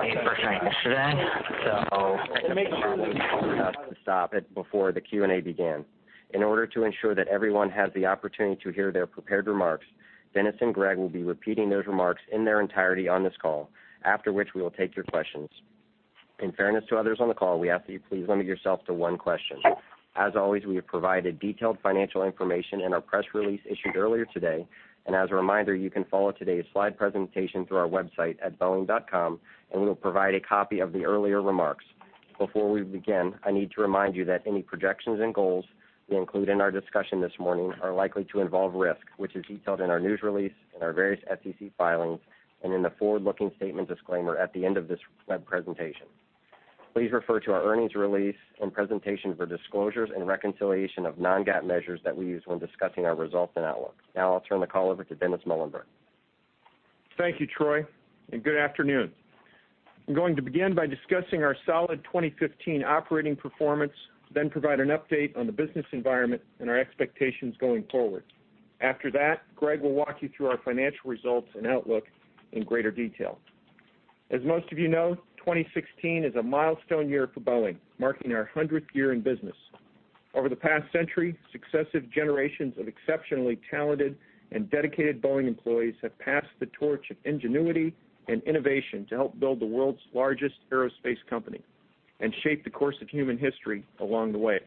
To stop it before the Q&A began. In order to ensure that everyone has the opportunity to hear their prepared remarks, Dennis and Greg will be repeating those remarks in their entirety on this call, after which we will take your questions. In fairness to others on the call, we ask that you please limit yourself to one question. As always, we have provided detailed financial information in our press release issued earlier today. As a reminder, you can follow today's slide presentation through our website at boeing.com, and we will provide a copy of the earlier remarks. Before we begin, I need to remind you that any projections and goals we include in our discussion this morning are likely to involve risk, which is detailed in our news release, in our various SEC filings, and in the forward-looking statement disclaimer at the end of this web presentation. Please refer to our earnings release and presentation for disclosures and reconciliation of non-GAAP measures that we use when discussing our results and outlook. Now I'll turn the call over to Dennis Muilenburg. Thank you, Troy, and good afternoon. I'm going to begin by discussing our solid 2015 operating performance, then provide an update on the business environment and our expectations going forward. After that, Greg will walk you through our financial results and outlook in greater detail. As most of you know, 2016 is a milestone year for Boeing, marking our 100th year in business. Over the past century, successive generations of exceptionally talented and dedicated Boeing employees have passed the torch of ingenuity and innovation to help build the world's largest aerospace company, and shape the course of human history along the way.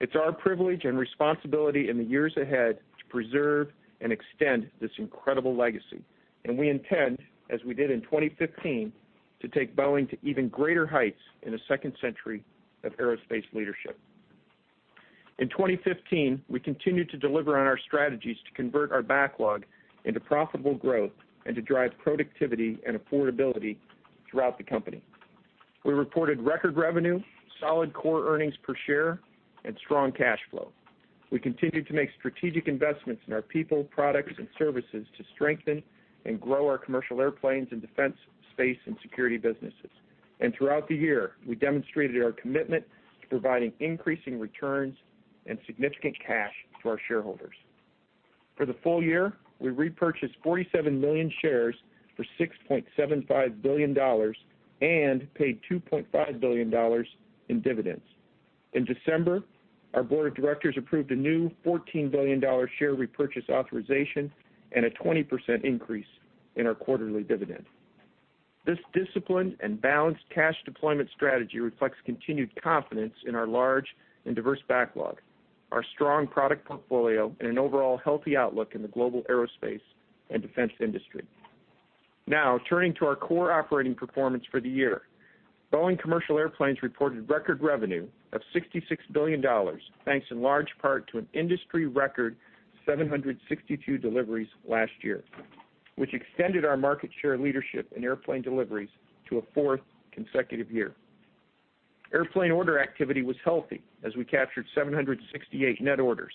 It's our privilege and responsibility in the years ahead to preserve and extend this incredible legacy. We intend, as we did in 2015, to take Boeing to even greater heights in a second century of aerospace leadership. In 2015, we continued to deliver on our strategies to convert our backlog into profitable growth and to drive productivity and affordability throughout the company. We reported record revenue, solid core earnings per share, and strong cash flow. We continued to make strategic investments in our people, products, and services to strengthen and grow our commercial airplanes and defense, space, and security businesses. Throughout the year, we demonstrated our commitment to providing increasing returns and significant cash to our shareholders. For the full year, we repurchased 47 million shares for $6.75 billion and paid $2.5 billion in dividends. In December, our board of directors approved a new $14 billion share repurchase authorization and a 20% increase in our quarterly dividend. This disciplined and balanced cash deployment strategy reflects continued confidence in our large and diverse backlog, our strong product portfolio, and an overall healthy outlook in the global aerospace and defense industry. Turning to our core operating performance for the year, Boeing Commercial Airplanes reported record revenue of $66 billion, thanks in large part to an industry-record 762 deliveries last year, which extended our market share leadership in airplane deliveries to a fourth consecutive year. Airplane order activity was healthy as we captured 768 net orders.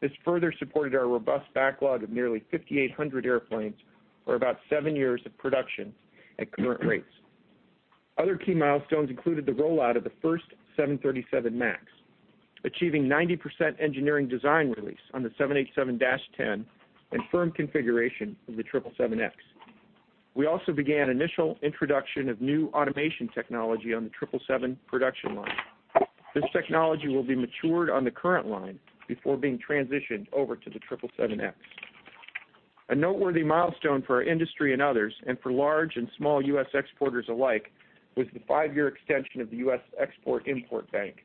This further supported our robust backlog of nearly 5,800 airplanes for about seven years of production at current rates. Other key milestones included the rollout of the first 737 MAX, achieving 90% engineering design release on the 787-10, and firm configuration of the 777X. We also began initial introduction of new automation technology on the 777 production line. This technology will be matured on the current line before being transitioned over to the 777X. A noteworthy milestone for our industry and others, and for large and small U.S. exporters alike, was the five-year extension of the U.S. Export-Import Bank.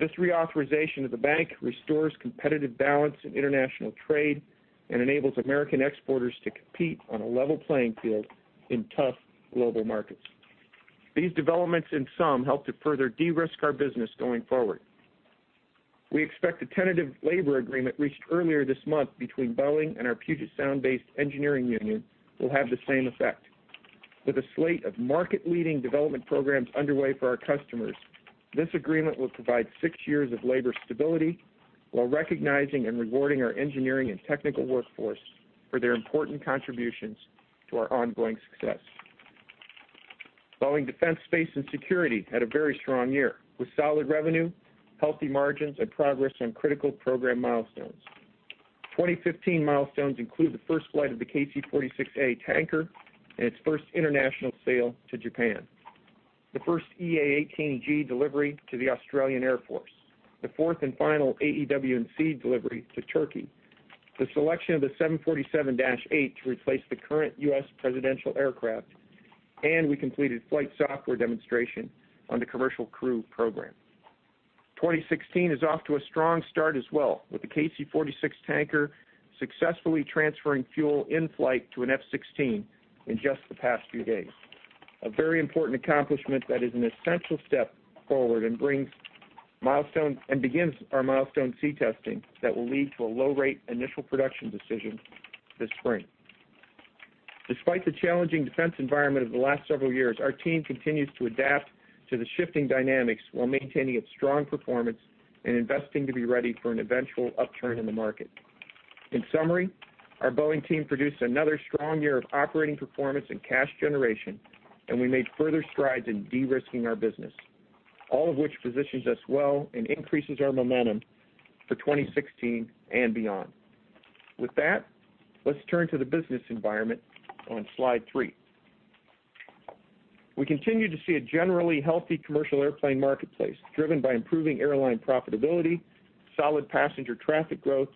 This reauthorization of the bank restores competitive balance in international trade and enables American exporters to compete on a level playing field in tough global markets. These developments, in sum, help to further de-risk our business going forward. We expect a tentative labor agreement reached earlier this month between Boeing and our Puget Sound-based engineering union will have the same effect. With a slate of market-leading development programs underway for our customers, this agreement will provide six years of labor stability while recognizing and rewarding our engineering and technical workforce for their important contributions to our ongoing success. Boeing Defense, Space & Security had a very strong year with solid revenue, healthy margins, and progress on critical program milestones. 2015 milestones include the first flight of the KC-46A tanker and its first international sale to Japan, the first EA-18G delivery to the Australian Air Force, the fourth and final AEW&C delivery to Turkey, the selection of the 747-8 to replace the current U.S. presidential aircraft, and we completed flight software demonstration on the Commercial Crew Program. 2016 is off to a strong start as well, with the KC-46 tanker successfully transferring fuel in-flight to an F-16 in just the past few days. A very important accomplishment that is an essential step forward and begins our Milestone C testing that will lead to a low-rate initial production decision this spring. Despite the challenging defense environment of the last several years, our team continues to adapt to the shifting dynamics while maintaining its strong performance and investing to be ready for an eventual upturn in the market. In summary, our Boeing team produced another strong year of operating performance and cash generation, and we made further strides in de-risking our business. All of which positions us well and increases our momentum for 2016 and beyond. With that, let's turn to the business environment on slide three. We continue to see a generally healthy commercial airplane marketplace, driven by improving airline profitability, solid passenger traffic growth,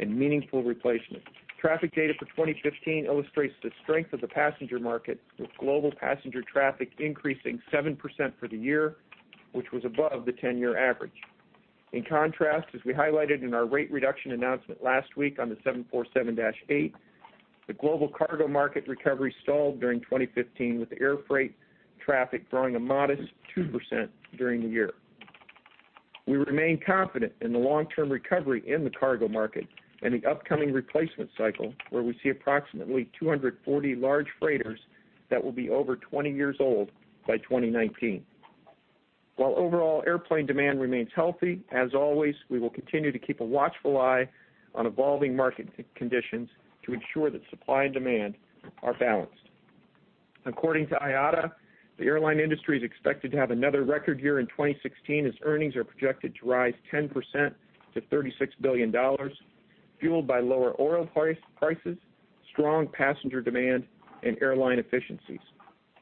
and meaningful replacement. Traffic data for 2015 illustrates the strength of the passenger market, with global passenger traffic increasing 7% for the year, which was above the 10-year average. In contrast, as we highlighted in our rate reduction announcement last week on the 747-8, the global cargo market recovery stalled during 2015, with air freight traffic growing a modest 2% during the year. We remain confident in the long-term recovery in the cargo market and the upcoming replacement cycle, where we see approximately 240 large freighters that will be over 20 years old by 2019. While overall airplane demand remains healthy, as always, we will continue to keep a watchful eye on evolving market conditions to ensure that supply and demand are balanced. According to IATA, the airline industry is expected to have another record year in 2016 as earnings are projected to rise 10% to $36 billion, fueled by lower oil prices, strong passenger demand, and airline efficiencies.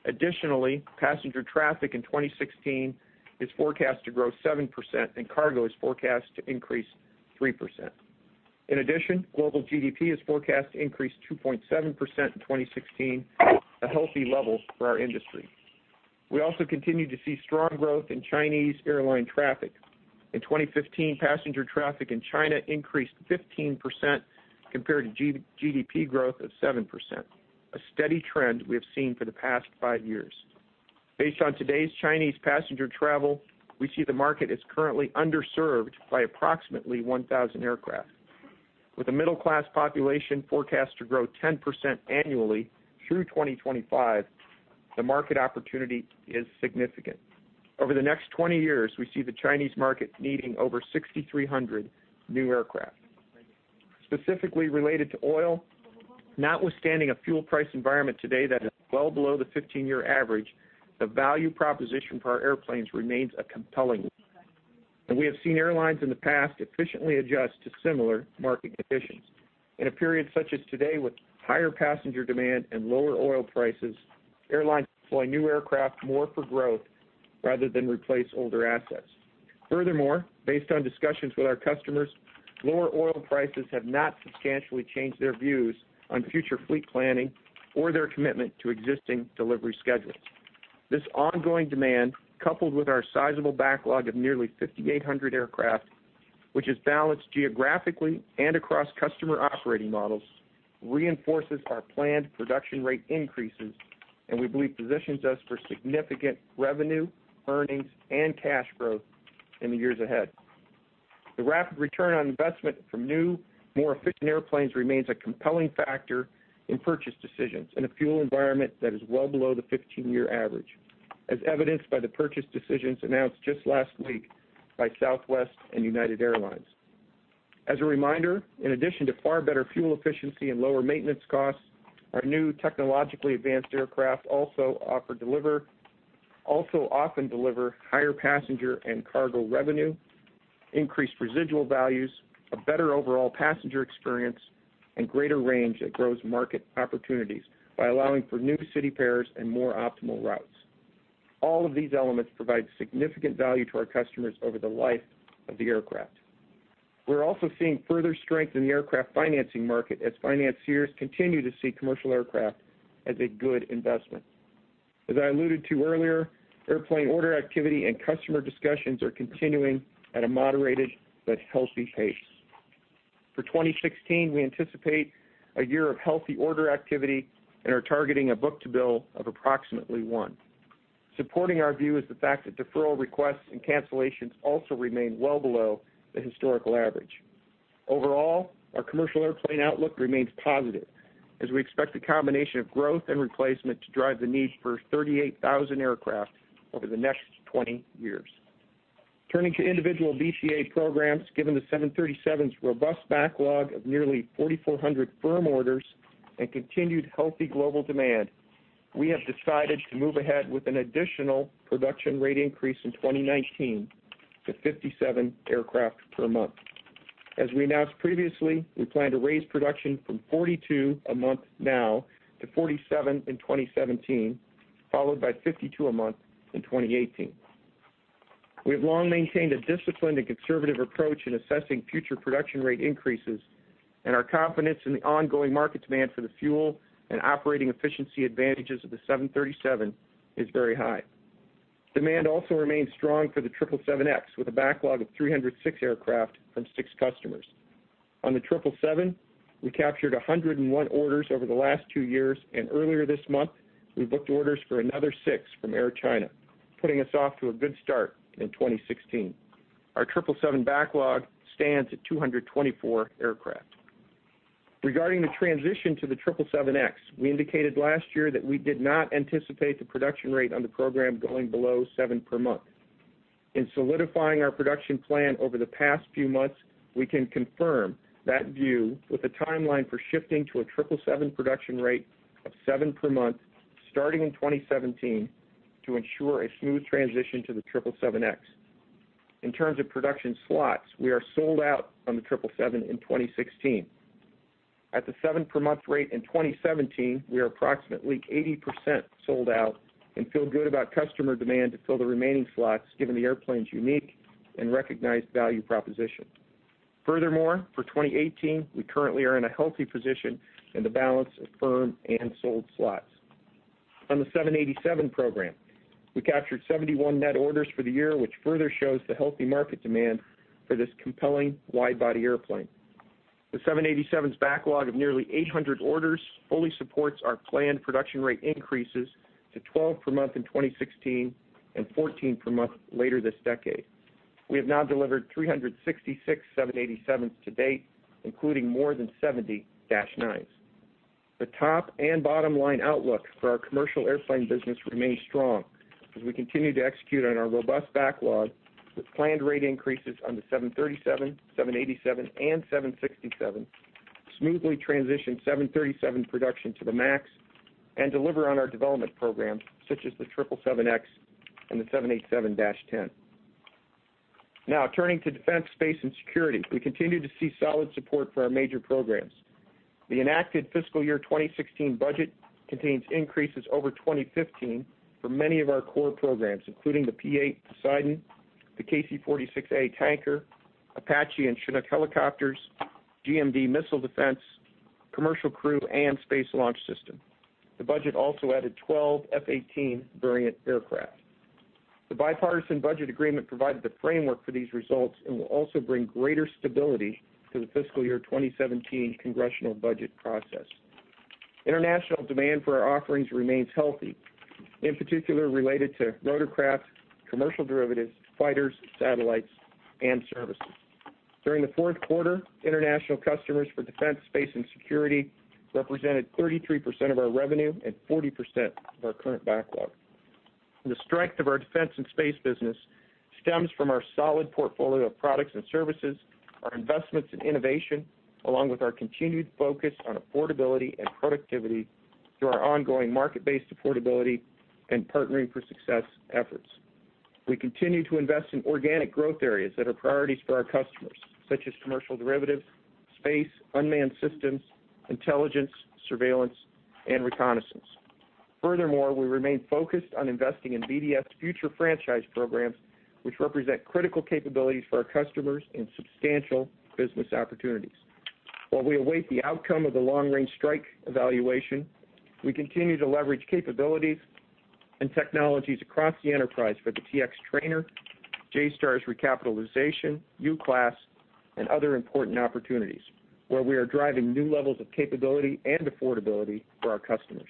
Additionally, passenger traffic in 2016 is forecast to grow 7%, and cargo is forecast to increase 3%. In addition, global GDP is forecast to increase 2.7% in 2016, a healthy level for our industry. We also continue to see strong growth in Chinese airline traffic. In 2015, passenger traffic in China increased 15% compared to GDP growth of 7%, a steady trend we have seen for the past five years. Based on today's Chinese passenger travel, we see the market is currently underserved by approximately 1,000 aircraft. With a middle-class population forecast to grow 10% annually through 2025, the market opportunity is significant. Over the next 20 years, we see the Chinese market needing over 6,300 new aircraft. Specifically related to oil, notwithstanding a fuel price environment today that is well below the 15-year average, the value proposition for our airplanes remains compelling. We have seen airlines in the past efficiently adjust to similar market conditions. In a period such as today with higher passenger demand and lower oil prices, airlines deploy new aircraft more for growth rather than replace older assets. Furthermore, based on discussions with our customers, lower oil prices have not substantially changed their views on future fleet planning or their commitment to existing delivery schedules. This ongoing demand, coupled with our sizable backlog of nearly 5,800 aircraft, which is balanced geographically and across customer operating models, reinforces our planned production rate increases and we believe positions us for significant revenue, earnings, and cash growth in the years ahead. The rapid return on investment from new, more efficient airplanes remains a compelling factor in purchase decisions in a fuel environment that is well below the 15-year average, as evidenced by the purchase decisions announced just last week by Southwest and United Airlines. As a reminder, in addition to far better fuel efficiency and lower maintenance costs, our new technologically advanced aircraft also often deliver higher passenger and cargo revenue, increased residual values, a better overall passenger experience, and greater range that grows market opportunities by allowing for new city pairs and more optimal routes. All of these elements provide significant value to our customers over the life of the aircraft. We're also seeing further strength in the aircraft financing market as financiers continue to see commercial aircraft as a good investment. As I alluded to earlier, airplane order activity and customer discussions are continuing at a moderated but healthy pace. For 2016, we anticipate a year of healthy order activity and are targeting a book-to-bill of approximately one. Supporting our view is the fact that deferral requests and cancellations also remain well below the historical average. Overall, our commercial airplane outlook remains positive as we expect the combination of growth and replacement to drive the need for 38,000 aircraft over the next 20 years. Turning to individual BCA programs, given the 737's robust backlog of nearly 4,400 firm orders and continued healthy global demand, we have decided to move ahead with an additional production rate increase in 2019 to 57 aircraft per month. As we announced previously, we plan to raise production from 42 a month now to 47 in 2017, followed by 52 a month in 2018. We have long maintained a disciplined and conservative approach in assessing future production rate increases, and our confidence in the ongoing market demand for the fuel and operating efficiency advantages of the 737 is very high. Demand also remains strong for the 777X, with a backlog of 306 aircraft from six customers. On the 777, we captured 101 orders over the last two years, and earlier this month, we booked orders for another six from Air China, putting us off to a good start in 2016. Our 777 backlog stands at 224 aircraft. Regarding the transition to the 777X, we indicated last year that we did not anticipate the production rate on the program going below seven per month. In solidifying our production plan over the past few months, we can confirm that view with a timeline for shifting to a 777 production rate of seven per month, starting in 2017, to ensure a smooth transition to the 777X. In terms of production slots, we are sold out on the 777 in 2016. At the seven per month rate in 2017, we are approximately 80% sold out and feel good about customer demand to fill the remaining slots, given the airplane's unique and recognized value proposition. Furthermore, for 2018, we currently are in a healthy position in the balance of firm and sold slots. On the 787 program, we captured 71 net orders for the year, which further shows the healthy market demand for this compelling wide-body airplane. The 787's backlog of nearly 800 orders fully supports our planned production rate increases to 12 per month in 2016, and 14 per month later this decade. We have now delivered 366 787s to date, including more than 70 dash 9s. The top and bottom line outlook for our commercial airplane business remains strong as we continue to execute on our robust backlog with planned rate increases on the 737, 787, and 767, smoothly transition 737 production to the MAX, and deliver on our development program, such as the 777X and the 787-10. Now, turning to defense, space, and security. We continue to see solid support for our major programs. The enacted fiscal year 2016 budget contains increases over 2015 for many of our core programs, including the P-8 Poseidon, the KC-46A tanker, Apache and Chinook helicopters, GMD missile defense, Commercial Crew, and Space Launch System. The budget also added 12 F-18 variant aircraft. The bipartisan budget agreement provided the framework for these results and will also bring greater stability to the fiscal year 2017 congressional budget process. International demand for our offerings remains healthy, in particular, related to rotorcraft, commercial derivatives, fighters, satellites, and services. During the fourth quarter, international customers for Defense, Space & Security represented 33% of our revenue and 40% of our current backlog. The strength of our defense and space business stems from our solid portfolio of products and services, our investments in innovation, along with our continued focus on affordability and productivity through our ongoing market-based affordability and Partnering for Success efforts. We continue to invest in organic growth areas that are priorities for our customers, such as commercial derivatives, space, unmanned systems, intelligence, surveillance, and reconnaissance. Furthermore, we remain focused on investing in BDS's future franchise programs, which represent critical capabilities for our customers and substantial business opportunities. While we await the outcome of the long-range strike evaluation, we continue to leverage capabilities and technologies across the enterprise for the T-X trainer, JSTARS recapitalization, UCLASS, and other important opportunities where we are driving new levels of capability and affordability for our customers.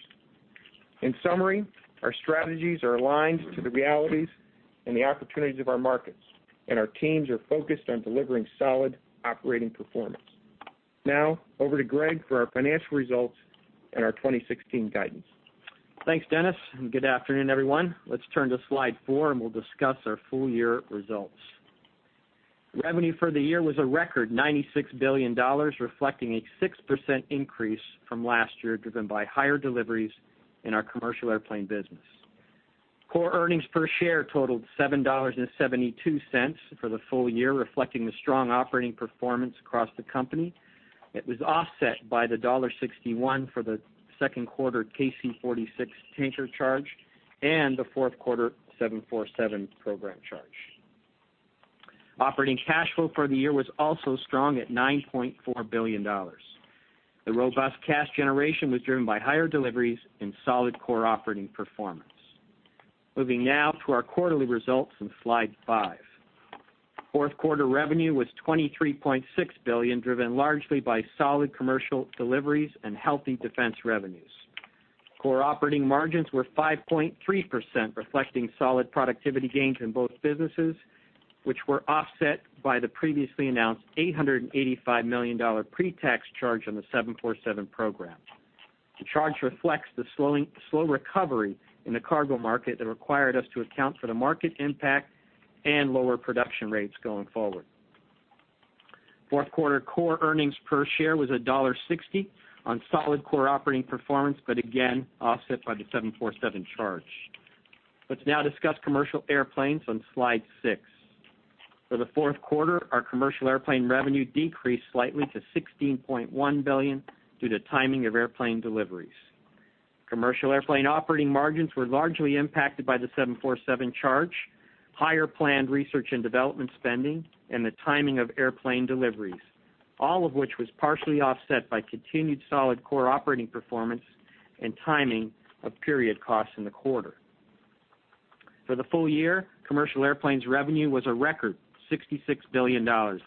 In summary, our strategies are aligned to the realities and the opportunities of our markets, and our teams are focused on delivering solid operating performance. Now, over to Greg for our financial results and our 2016 guidance. Thanks, Dennis, and good afternoon, everyone. Let's turn to slide four, and we'll discuss our full-year results. Revenue for the year was a record $96 billion, reflecting a 6% increase from last year, driven by higher deliveries in our commercial airplane business. Core earnings per share totaled $7.72 for the full year, reflecting the strong operating performance across the company. It was offset by the $1.61 for the second quarter KC-46 tanker charge and the fourth quarter 747 program charge. Operating cash flow for the year was also strong at $9.4 billion. The robust cash generation was driven by higher deliveries and solid core operating performance. Moving now to our quarterly results on slide five. Fourth quarter revenue was $23.6 billion, driven largely by solid commercial deliveries and healthy defense revenues. Core operating margins were 5.3%, reflecting solid productivity gains in both businesses, which were offset by the previously announced $885 million pre-tax charge on the 747 program. The charge reflects the slow recovery in the cargo market that required us to account for the market impact and lower production rates going forward. Fourth quarter core earnings per share was $1.60 on solid core operating performance, but again, offset by the 747 charge. Let's now discuss commercial airplanes on slide six. For the fourth quarter, our commercial airplane revenue decreased slightly to $16.1 billion due to timing of airplane deliveries. Commercial airplane operating margins were largely impacted by the 747 charge, higher planned research and development spending, and the timing of airplane deliveries, all of which was partially offset by continued solid core operating performance and timing of period costs in the quarter. For the full year, Commercial Airplanes revenue was a record $66 billion, an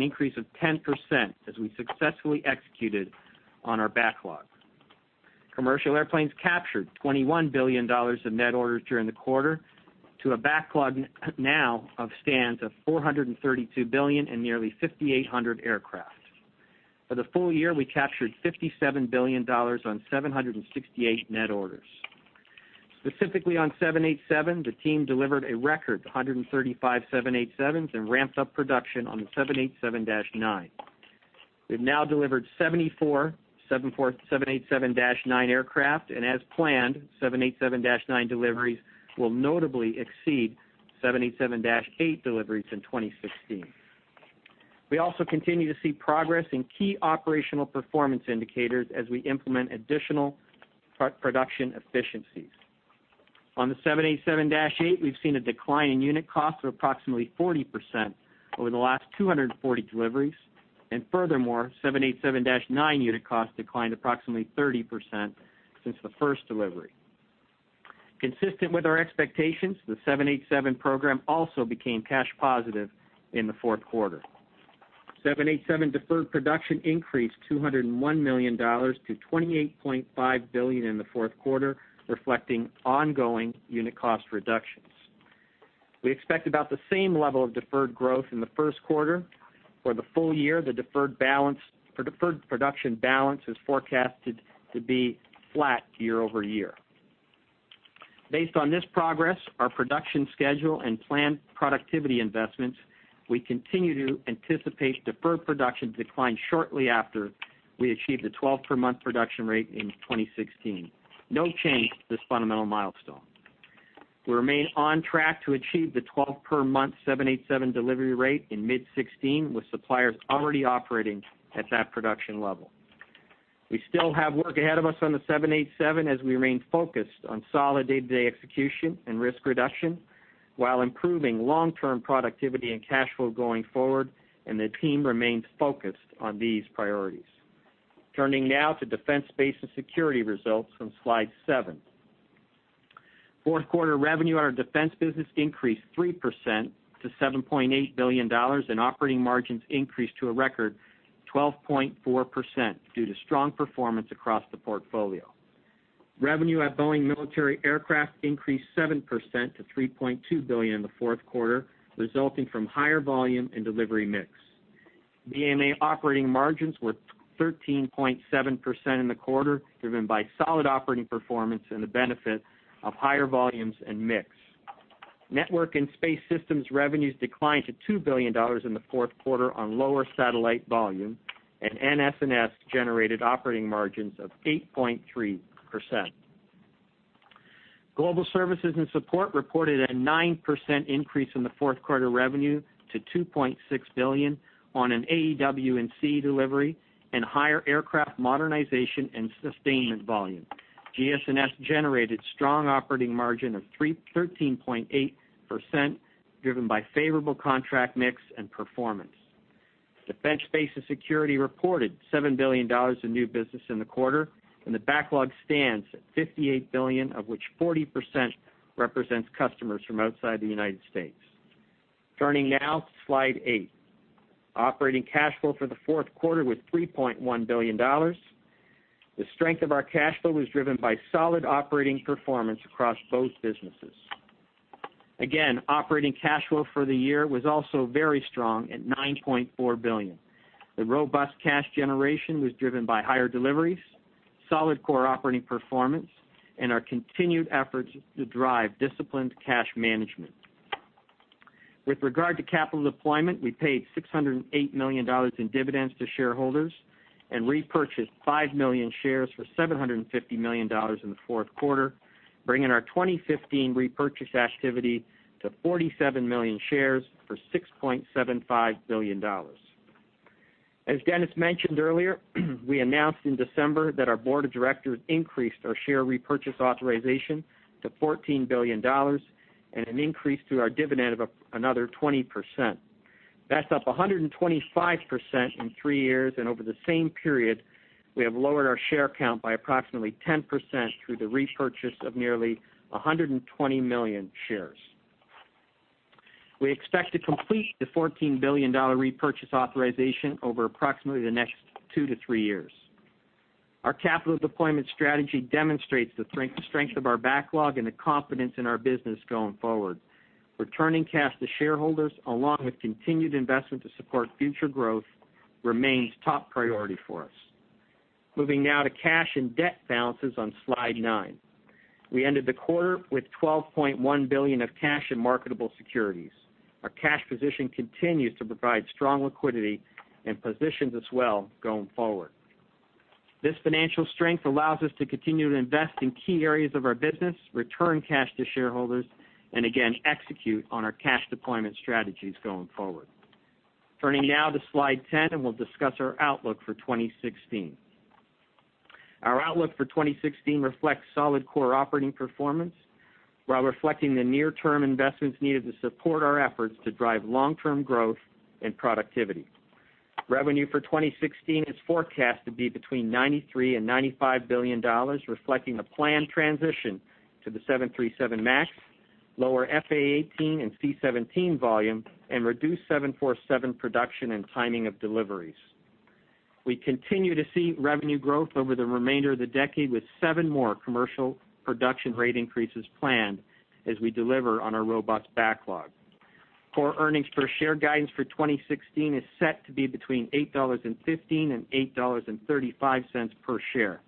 increase of 10% as we successfully executed on our backlog. Commercial Airplanes captured $21 billion of net orders during the quarter to a backlog now of stands of $432 billion and nearly 5,800 aircraft. For the full year, we captured $57 billion on 768 net orders. Specifically on 787, the team delivered a record 135 787s and ramped up production on the 787-9. We've now delivered 74 787-9 aircraft, and as planned, 787-9 deliveries will notably exceed 787-8 deliveries in 2016. We also continue to see progress in key operational performance indicators as we implement additional production efficiencies. On the 787-8, we've seen a decline in unit costs of approximately 40% over the last 240 deliveries, and furthermore, 787-9 unit costs declined approximately 30% since the first delivery. Consistent with our expectations, the 787 program also became cash positive in the fourth quarter. 787 deferred production increased $201 million to $28.5 billion in the fourth quarter, reflecting ongoing unit cost reductions. We expect about the same level of deferred growth in the first quarter. For the full year, the deferred production balance is forecasted to be flat year-over-year. Based on this progress, our production schedule, and planned productivity investments, we continue to anticipate deferred production to decline shortly after we achieve the 12-per-month production rate in 2016. No change to this fundamental milestone. We remain on track to achieve the 12-per-month 787 delivery rate in mid 2016, with suppliers already operating at that production level. We still have work ahead of us on the 787 as we remain focused on solid day-to-day execution and risk reduction, while improving long-term productivity and cash flow going forward, and the team remains focused on these priorities. Turning now to Defense, Space & Security results on slide seven. Fourth quarter revenue at our defense business increased 3% to $7.8 billion, and operating margins increased to a record 12.4% due to strong performance across the portfolio. Revenue at Boeing Military Aircraft increased 7% to $3.2 billion in the fourth quarter, resulting from higher volume and delivery mix. BMA operating margins were 13.7% in the quarter, driven by solid operating performance and the benefit of higher volumes and mix. Network & Space Systems revenues declined to $2 billion in the fourth quarter on lower satellite volume, and NS&S generated operating margins of 8.3%. Global Services & Support reported a 9% increase in the fourth quarter revenue to $2.6 billion on an AEW&C delivery and higher aircraft modernization and sustainment volume. GS&S generated strong operating margin of 13.8%, driven by favorable contract mix and performance. Defense, Space & Security reported $7 billion in new business in the quarter, and the backlog stands at $58 billion, of which 40% represents customers from outside the United States. Turning now to slide eight. Operating cash flow for the fourth quarter was $3.1 billion. The strength of our cash flow was driven by solid operating performance across both businesses. Again, operating cash flow for the year was also very strong at $9.4 billion. The robust cash generation was driven by higher deliveries, solid core operating performance, and our continued efforts to drive disciplined cash management. With regard to capital deployment, we paid $608 million in dividends to shareholders and repurchased 5 million shares for $750 million in the fourth quarter, bringing our 2015 repurchase activity to 47 million shares for $6.75 billion. As Dennis mentioned earlier, we announced in December that our board of directors increased our share repurchase authorization to $14 billion and an increase to our dividend of another 20%. That's up 125% in three years, and over the same period, we have lowered our share count by approximately 10% through the repurchase of nearly 120 million shares. We expect to complete the $14 billion repurchase authorization over approximately the next two to three years. Our capital deployment strategy demonstrates the strength of our backlog and the confidence in our business going forward. Returning cash to shareholders, along with continued investment to support future growth, remains top priority for us. Moving now to cash and debt balances on slide nine. We ended the quarter with $12.1 billion of cash in marketable securities. Our cash position continues to provide strong liquidity and positions us well going forward. This financial strength allows us to continue to invest in key areas of our business, return cash to shareholders, and again, execute on our cash deployment strategies going forward. Turning now to slide 10, we'll discuss our outlook for 2016. Our outlook for 2016 reflects solid core operating performance, while reflecting the near-term investments needed to support our efforts to drive long-term growth and productivity. Revenue for 2016 is forecast to be between $93 billion and $95 billion, reflecting a planned transition to the 737 MAX, lower F/A-18 and C-17 volume, and reduced 747 production and timing of deliveries. We continue to see revenue growth over the remainder of the decade, with seven more commercial production rate increases planned as we deliver on our robust backlog. Core earnings per share guidance for 2016 is set to be between $8.15 and $8.35 per share.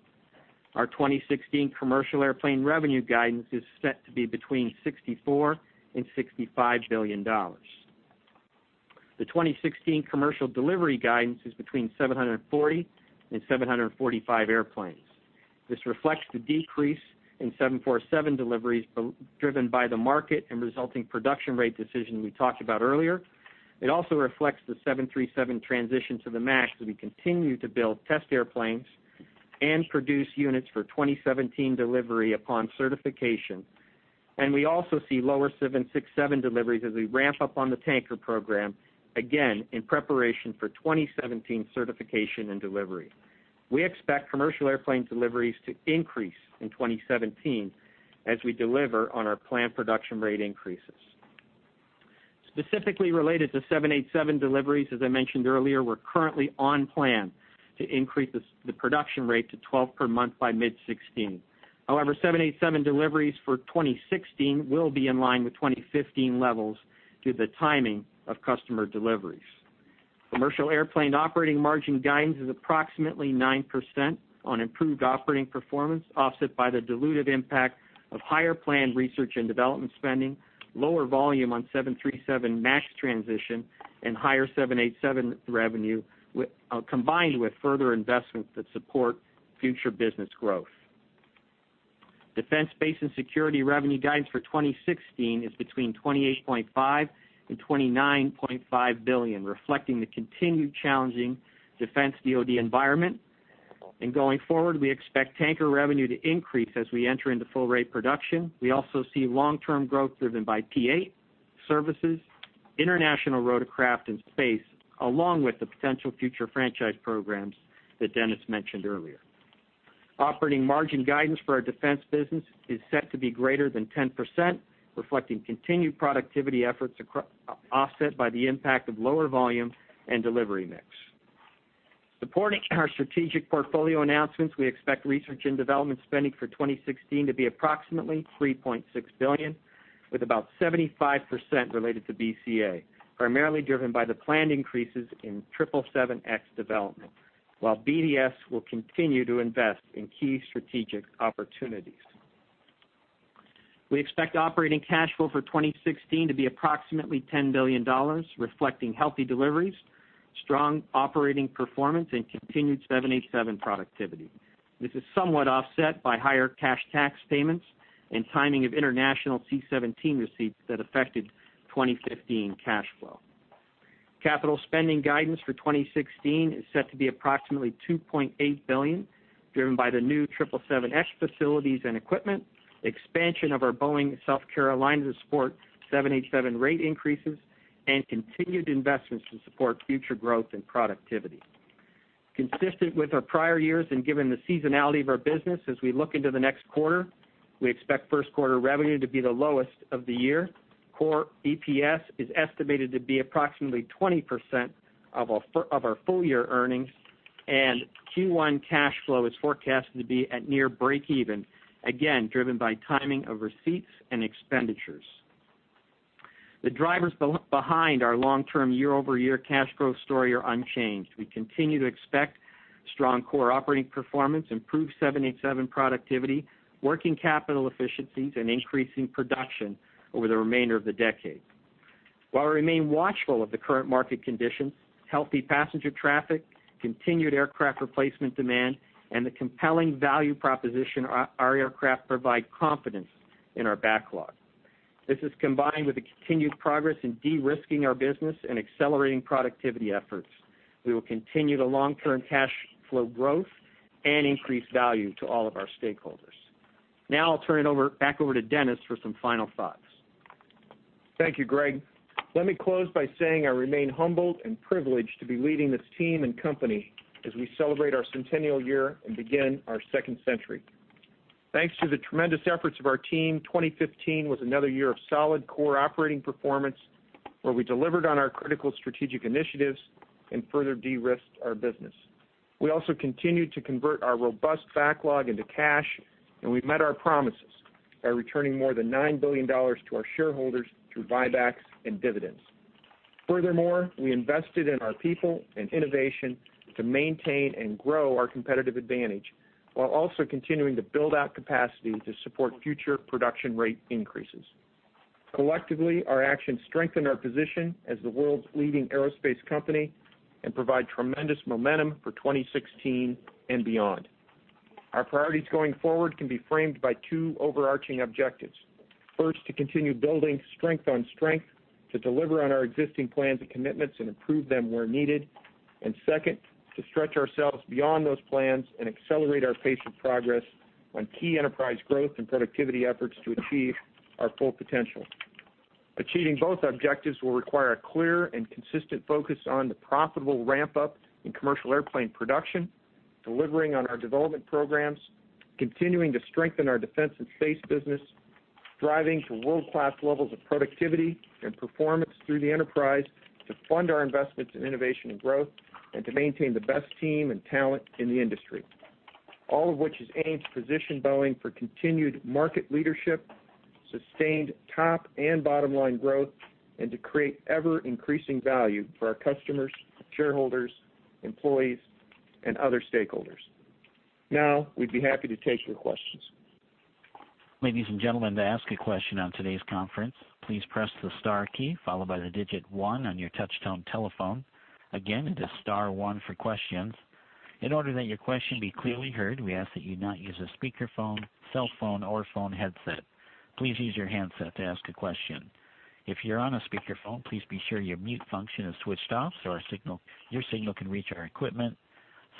Our 2016 commercial airplane revenue guidance is set to be between $64 billion and $65 billion. The 2016 commercial delivery guidance is between 740 and 745 airplanes. This reflects the decrease in 747 deliveries, driven by the market and resulting production rate decision we talked about earlier. It also reflects the 737 transition to the MAX, as we continue to build test airplanes and produce units for 2017 delivery upon certification. We also see lower 767 deliveries as we ramp up on the tanker program, again, in preparation for 2017 certification and delivery. We expect commercial airplane deliveries to increase in 2017 as we deliver on our planned production rate increases. Specifically related to 787 deliveries, as I mentioned earlier, we're currently on plan to increase the production rate to 12 per month by mid 2016. However, 787 deliveries for 2016 will be in line with 2015 levels due to the timing of customer deliveries. Commercial airplane operating margin guidance is approximately 9% on improved operating performance, offset by the dilutive impact of higher planned research and development spending, lower volume on 737 MAX transition, and higher 787 revenue, combined with further investments that support future business growth. Defense, Space & Security revenue guidance for 2016 is between $28.5 billion and $29.5 billion, reflecting the continued challenging defense DoD environment. Going forward, we expect tanker revenue to increase as we enter into full-rate production. We also see long-term growth driven by P-8 services, international rotorcraft, and space, along with the potential future franchise programs that Dennis mentioned earlier. Operating margin guidance for our defense business is set to be greater than 10%, reflecting continued productivity efforts offset by the impact of lower volume and delivery mix. Supporting our strategic portfolio announcements, we expect research and development spending for 2016 to be approximately $3.6 billion, with about 75% related to BCA, primarily driven by the planned increases in 777X development, while BDS will continue to invest in key strategic opportunities. We expect operating cash flow for 2016 to be approximately $10 billion, reflecting healthy deliveries, strong operating performance, and continued 787 productivity. This is somewhat offset by higher cash tax payments and timing of international C-17 receipts that affected 2015 cash flow. Capital spending guidance for 2016 is set to be approximately $2.8 billion, driven by the new 777X facilities and equipment, expansion of our Boeing South Carolina lines to support 787 rate increases, and continued investments to support future growth and productivity. Consistent with our prior years and given the seasonality of our business as we look into the next quarter, we expect first quarter revenue to be the lowest of the year. Core EPS is estimated to be approximately 20% of our full-year earnings, and Q1 cash flow is forecasted to be at near breakeven, again, driven by timing of receipts and expenditures. The drivers behind our long-term year-over-year cash growth story are unchanged. We continue to expect strong core operating performance, improved 787 productivity, working capital efficiencies, and increasing production over the remainder of the decade. While we remain watchful of the current market conditions, healthy passenger traffic, continued aircraft replacement demand, and the compelling value proposition, our aircraft provide confidence in our backlog. This is combined with the continued progress in de-risking our business and accelerating productivity efforts. We will continue the long-term cash flow growth and increase value to all of our stakeholders. Now I'll turn it back over to Dennis for some final thoughts. Thank you, Greg. Let me close by saying I remain humbled and privileged to be leading this team and company as we celebrate our centennial year and begin our second century. Thanks to the tremendous efforts of our team, 2015 was another year of solid core operating performance, where we delivered on our critical strategic initiatives and further de-risked our business. We also continued to convert our robust backlog into cash, and we've met our promises by returning more than $9 billion to our shareholders through buybacks and dividends. We invested in our people and innovation to maintain and grow our competitive advantage, while also continuing to build out capacity to support future production rate increases. Collectively, our actions strengthen our position as the world's leading aerospace company and provide tremendous momentum for 2016 and beyond. Our priorities going forward can be framed by two overarching objectives. First, to continue building strength on strength, to deliver on our existing plans and commitments and improve them where needed. Second, to stretch ourselves beyond those plans and accelerate our pace of progress on key enterprise growth and productivity efforts to achieve our full potential. Achieving both objectives will require a clear and consistent focus on the profitable ramp-up in commercial airplane production, delivering on our development programs, continuing to strengthen our defense and space business, striving to world-class levels of productivity and performance through the enterprise to fund our investments in innovation and growth, and to maintain the best team and talent in the industry. All of which is aimed to position Boeing for continued market leadership, sustained top and bottom line growth, and to create ever-increasing value for our customers, shareholders, employees, and other stakeholders. We'd be happy to take your questions. Ladies and gentlemen, to ask a question on today's conference, please press the star key, followed by the digit 1 on your touchtone telephone. Again, it is star 1 for questions. In order that your question be clearly heard, we ask that you not use a speakerphone, cell phone or phone headset. Please use your handset to ask a question. If you're on a speakerphone, please be sure your mute function is switched off so your signal can reach our equipment.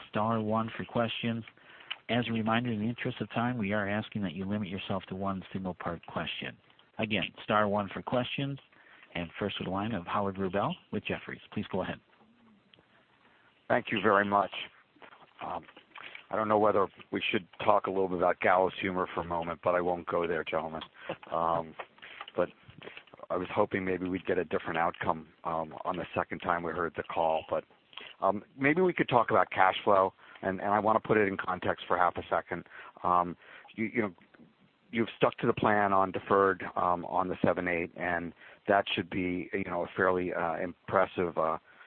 Star 1 for questions. As a reminder, in the interest of time, we are asking that you limit yourself to one single part question. Again, star 1 for questions. First we have the line of Howard Rubel with Jefferies. Please go ahead. Thank you very much. I don't know whether we should talk a little bit about gallows humor for a moment, I won't go there, gentlemen. I was hoping maybe we'd get a different outcome on the second time we heard the call. Maybe we could talk about cash flow, and I want to put it in context for half a second. You've stuck to the plan on deferred on the 78, and that should be a fairly impressive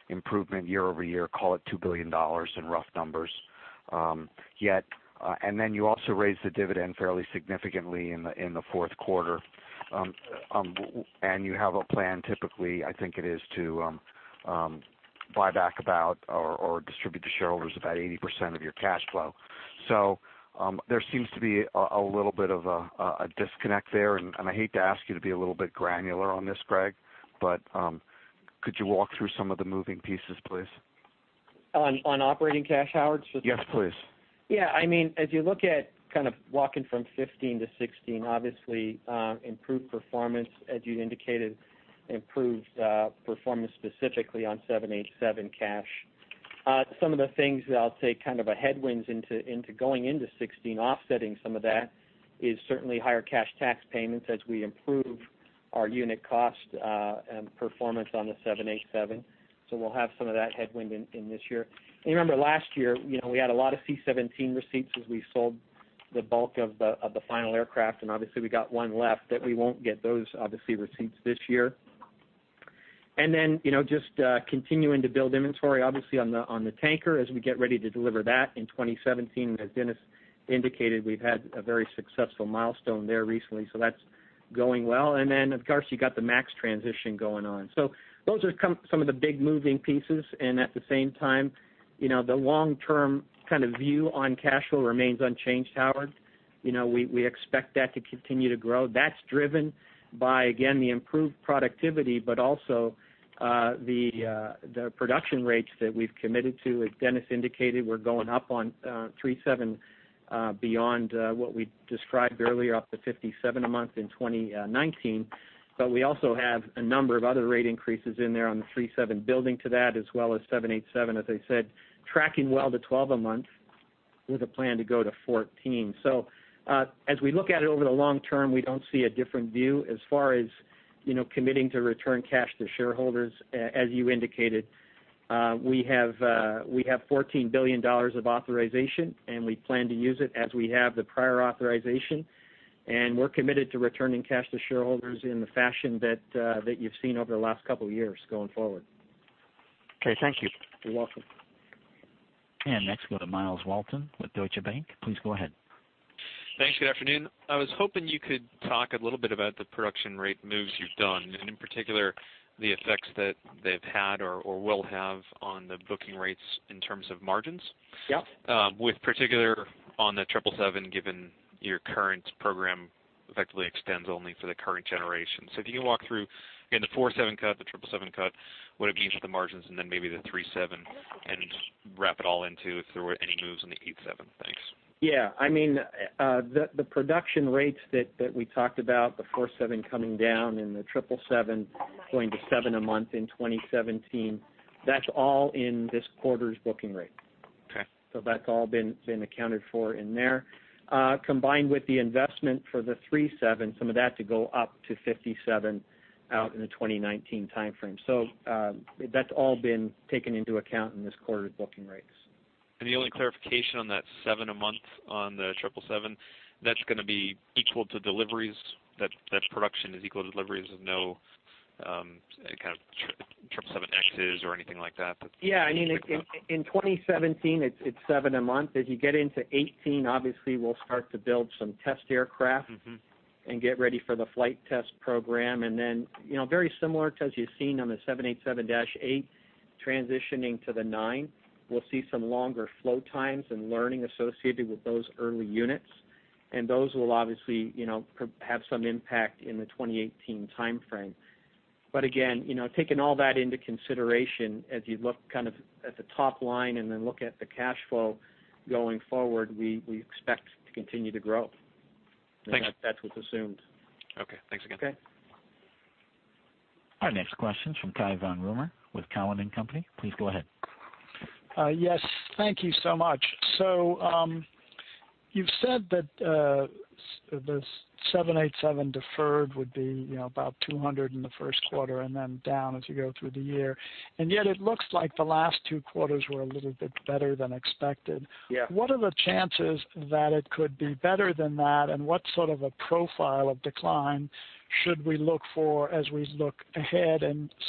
improvement year-over-year, call it $2 billion in rough numbers. Then you also raised the dividend fairly significantly in the fourth quarter. You have a plan typically, I think it is to buy back about or distribute to shareholders about 80% of your cash flow. There seems to be a little bit of a disconnect there, and I hate to ask you to be a little bit granular on this, Greg, but could you walk through some of the moving pieces, please? On operating cash, Howard? Yes, please. As you look at kind of walking from 2015 to 2016, obviously, improved performance, as you indicated, improved performance specifically on 787 cash. Some of the things that I'll say kind of a headwinds into going into 2016 offsetting some of that, is certainly higher cash tax payments as we improve our unit cost and performance on the 787. We'll have some of that headwind in this year. Remember last year, we had a lot of C-17 receipts as we sold the bulk of the final aircraft, and obviously we got one left that we won't get those, obviously, receipts this year. Just continuing to build inventory, obviously on the tanker as we get ready to deliver that in 2017. As Dennis indicated, we've had a very successful milestone there recently, that's going well. Of course, you got the 737 MAX transition going on. Those are some of the big moving pieces, and at the same time, the long-term kind of view on cash flow remains unchanged, Howard. We expect that to continue to grow. That's driven by, again, the improved productivity, but also, the production rates that we've committed to. As Dennis indicated, we're going up on 737 beyond what we described earlier, up to 57 a month in 2019. We also have a number of other rate increases in there on the 737 building to that, as well as 787, as I said, tracking well to 12 a month with a plan to go to 14. As we look at it over the long term, we don't see a different view as far as committing to return cash to shareholders, as you indicated. We have $14 billion of authorization, and we plan to use it as we have the prior authorization, and we're committed to returning cash to shareholders in the fashion that you've seen over the last couple of years going forward. Okay. Thank you. You're welcome. Next we go to Myles Walton with Deutsche Bank. Please go ahead. Thanks. Good afternoon. I was hoping you could talk a little bit about the production rate moves you've done, and in particular, the effects that they've had or will have on the booking rates in terms of margins. Yeah. With particular on the 777, given your current program effectively extends only for the current generation. If you can walk through, again, the 47 cut, the 777 cut, what it means for the margins, and then maybe the 37, and just wrap it all into if there were any moves on the 87. Thanks. Yeah. The production rates that we talked about, the 47 coming down and the 777 going to seven a month in 2017, that's all in this quarter's booking rate. Okay. That's all been accounted for in there. Combined with the investment for the 37, some of that to go up to 57 out in the 2019 timeframe. That's all been taken into account in this quarter's booking rates. The only clarification on that seven a month on the 777, that's going to be equal to deliveries, that production is equal to deliveries with no kind of 777X's or anything like that? In 2017, it's seven a month. As you get into 2018, obviously, we'll start to build some test aircraft. Get ready for the flight test program. Very similar to as you've seen on the 787-8 transitioning to the nine, we'll see some longer flow times and learning associated with those early units. Those will obviously have some impact in the 2018 timeframe. Taking all that into consideration as you look kind of at the top line and then look at the cash flow going forward, we expect to continue to grow. Thanks. That's what's assumed. Okay. Thanks again. Okay. Our next question's from Cai von Rumohr with Cowen and Company. Please go ahead. Yes, thank you so much. You've said that the 787 deferred would be about $200 in the first quarter, then down as you go through the year. Yet it looks like the last two quarters were a little bit better than expected. Yeah. What are the chances that it could be better than that, what sort of a profile of decline should we look for as we look ahead?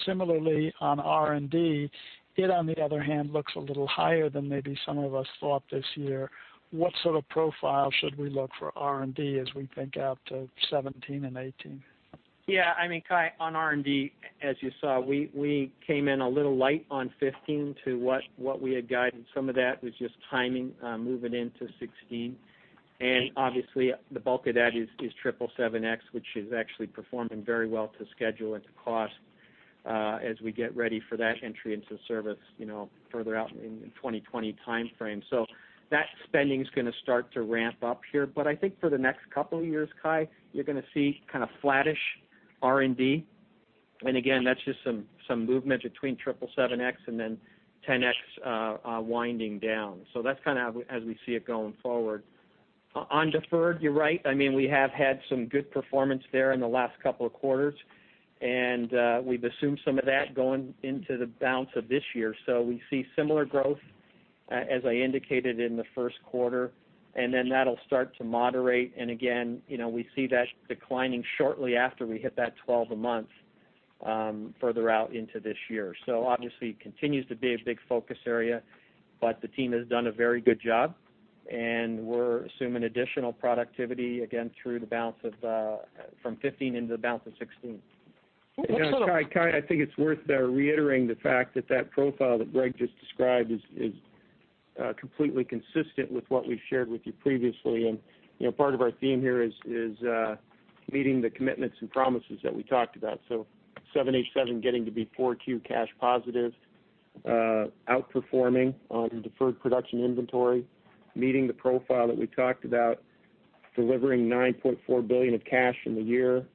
Similarly, on R&D, it, on the other hand, looks a little higher than maybe some of us thought this year. What sort of profile should we look for R&D as we think out to 2017 and 2018? Yeah. Cai, on R&D, as you saw, we came in a little light on 2015 to what we had guided. Some of that was just timing, moving into 2016. Obviously, the bulk of that is 777X, which is actually performing very well to schedule and to cost, as we get ready for that entry into service further out in the 2020 timeframe. That spending's going to start to ramp up here, but I think for the next couple of years, Cai, you're going to see flattish R&D. Again, that's just some movement between 777X and then 787-10 winding down. That's as we see it going forward. On deferred, you're right. We have had some good performance there in the last couple of quarters, and we've assumed some of that going into the balance of this year. We see similar growth, as I indicated in the first quarter, then that'll start to moderate. Again, we see that declining shortly after we hit that 12 a month, further out into this year. Obviously, it continues to be a big focus area, but the team has done a very good job, and we're assuming additional productivity again from 2015 into the balance of 2016. What sort of- Cai, I think it's worth reiterating the fact that that profile that Greg just described is completely consistent with what we've shared with you previously. Part of our theme here is meeting the commitments and promises that we talked about. 787 getting to be 4Q cash positive, outperforming on deferred production inventory, meeting the profile that we talked about, delivering $9.4 billion of cash in the year.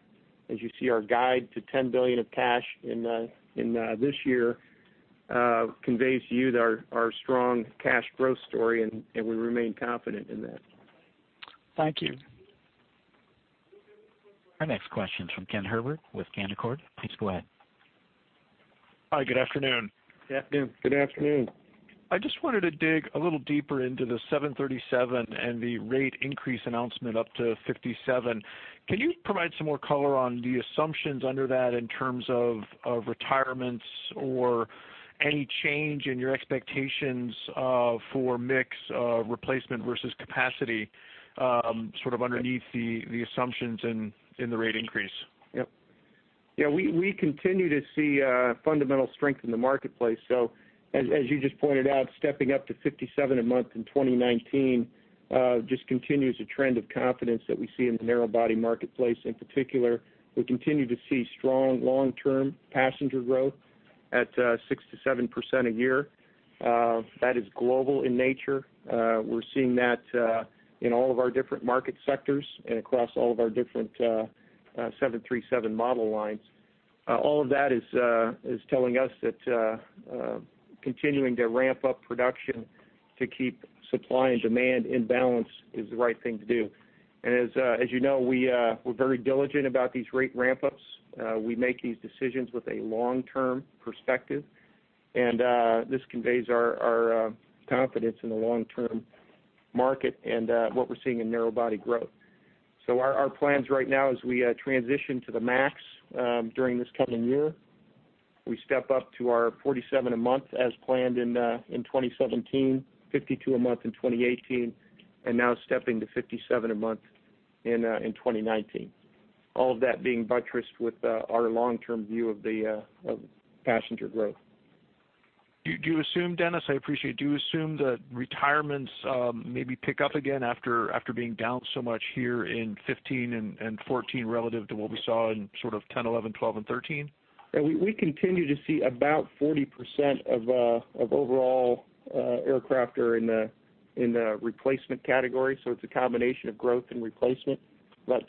As you see, our guide to $10 billion of cash in this year conveys to you our strong cash growth story, and we remain confident in that. Thank you. Our next question's from Ken Herbert with Canaccord. Please go ahead. Hi, good afternoon. Good afternoon. Good afternoon. I just wanted to dig a little deeper into the 737 and the rate increase announcement up to 57. Can you provide some more color on the assumptions under that in terms of retirements or any change in your expectations for mix replacement versus capacity, underneath the assumptions in the rate increase? Yep. Yeah, we continue to see fundamental strength in the marketplace. As you just pointed out, stepping up to 57 a month in 2019, just continues a trend of confidence that we see in the narrow body marketplace. In particular, we continue to see strong long-term passenger growth at 6%-7% a year. That is global in nature. We're seeing that in all of our different market sectors and across all of our different 737 model lines. All of that is telling us that continuing to ramp up production to keep supply and demand in balance is the right thing to do. As you know, we're very diligent about these rate ramp-ups. We make these decisions with a long-term perspective, and this conveys our confidence in the long-term market and what we're seeing in narrow body growth. Our plans right now as we transition to the MAX during this coming year, we step up to our 47 a month as planned in 2017, 52 a month in 2018, and now stepping to 57 a month in 2019. All of that being buttressed with our long-term view of passenger growth. Dennis, I appreciate it. Do you assume that retirements maybe pick up again after being down so much here in 2015 and 2014 relative to what we saw in sort of 2010, 2011, 2012, and 2013? We continue to see about 40% of overall aircraft are in the replacement category, it's a combination of growth and replacement. About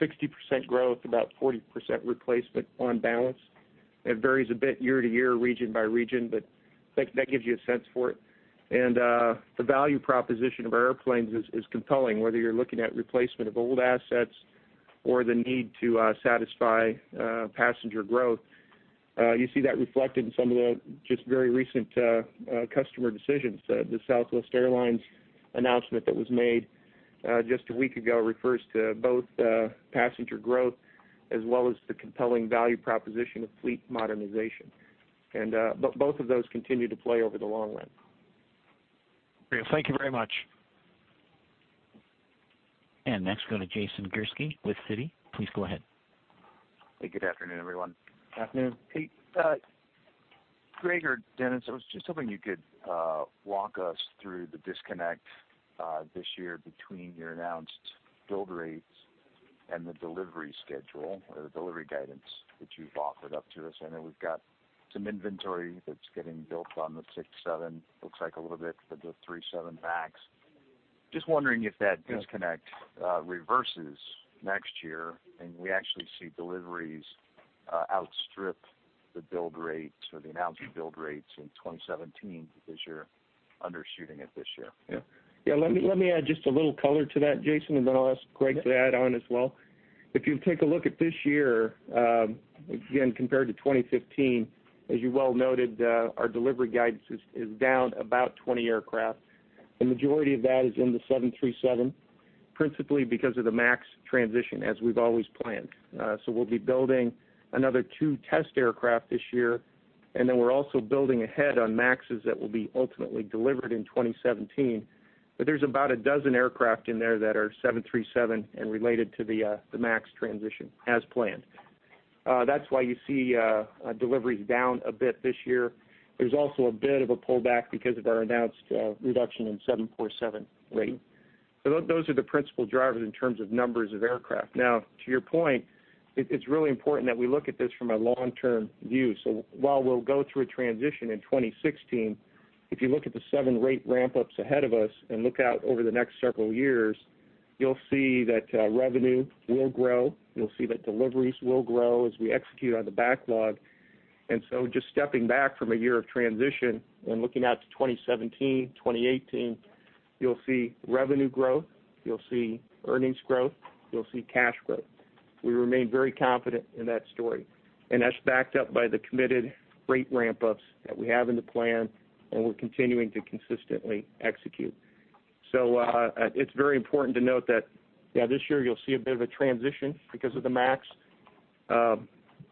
60% growth, about 40% replacement on balance. It varies a bit year to year, region by region, but that gives you a sense for it. The value proposition of our airplanes is compelling, whether you're looking at replacement of old assets or the need to satisfy passenger growth. You see that reflected in some of the just very recent customer decisions. The Southwest Airlines announcement that was made just a week ago refers to both passenger growth as well as the compelling value proposition of fleet modernization. Both of those continue to play over the long run. Great. Thank you very much. Next we go to Jason Gursky with Citi. Please go ahead. Hey, good afternoon, everyone. Afternoon. Hey. Greg or Dennis, I was just hoping you could walk us through the disconnect this year between your announced build rates and the delivery schedule or the delivery guidance that you've offered up to us. I know we've got some inventory that's getting built on the 67, looks like a little bit for the 37 MAX. Just wondering if that disconnect reverses next year, and we actually see deliveries outstrip the build rates or the announced build rates in 2017 because you're undershooting it this year. Let me add just a little color to that, Jason, and then I'll ask Greg to add on as well. If you take a look at this year, again, compared to 2015, as you well noted, our delivery guidance is down about 20 aircraft. The majority of that is in the 737, principally because of the MAX transition, as we've always planned. We'll be building another two test aircraft this year, and then we're also building ahead on MAXs that will be ultimately delivered in 2017. There's about a dozen aircraft in there that are 737 and related to the MAX transition as planned. That's why you see deliveries down a bit this year. There's also a bit of a pullback because of our announced reduction in 747 rate. Those are the principal drivers in terms of numbers of aircraft. To your point, it's really important that we look at this from a long-term view. While we'll go through a transition in 2016, if you look at the seven rate ramp-ups ahead of us and look out over the next several years, you'll see that revenue will grow. You'll see that deliveries will grow as we execute on the backlog. Just stepping back from a year of transition and looking out to 2017, 2018, you'll see revenue growth, you'll see earnings growth, you'll see cash growth. We remain very confident in that story, and that's backed up by the committed rate ramp-ups that we have in the plan, and we're continuing to consistently execute. It's very important to note that, yeah, this year you'll see a bit of a transition because of the MAX,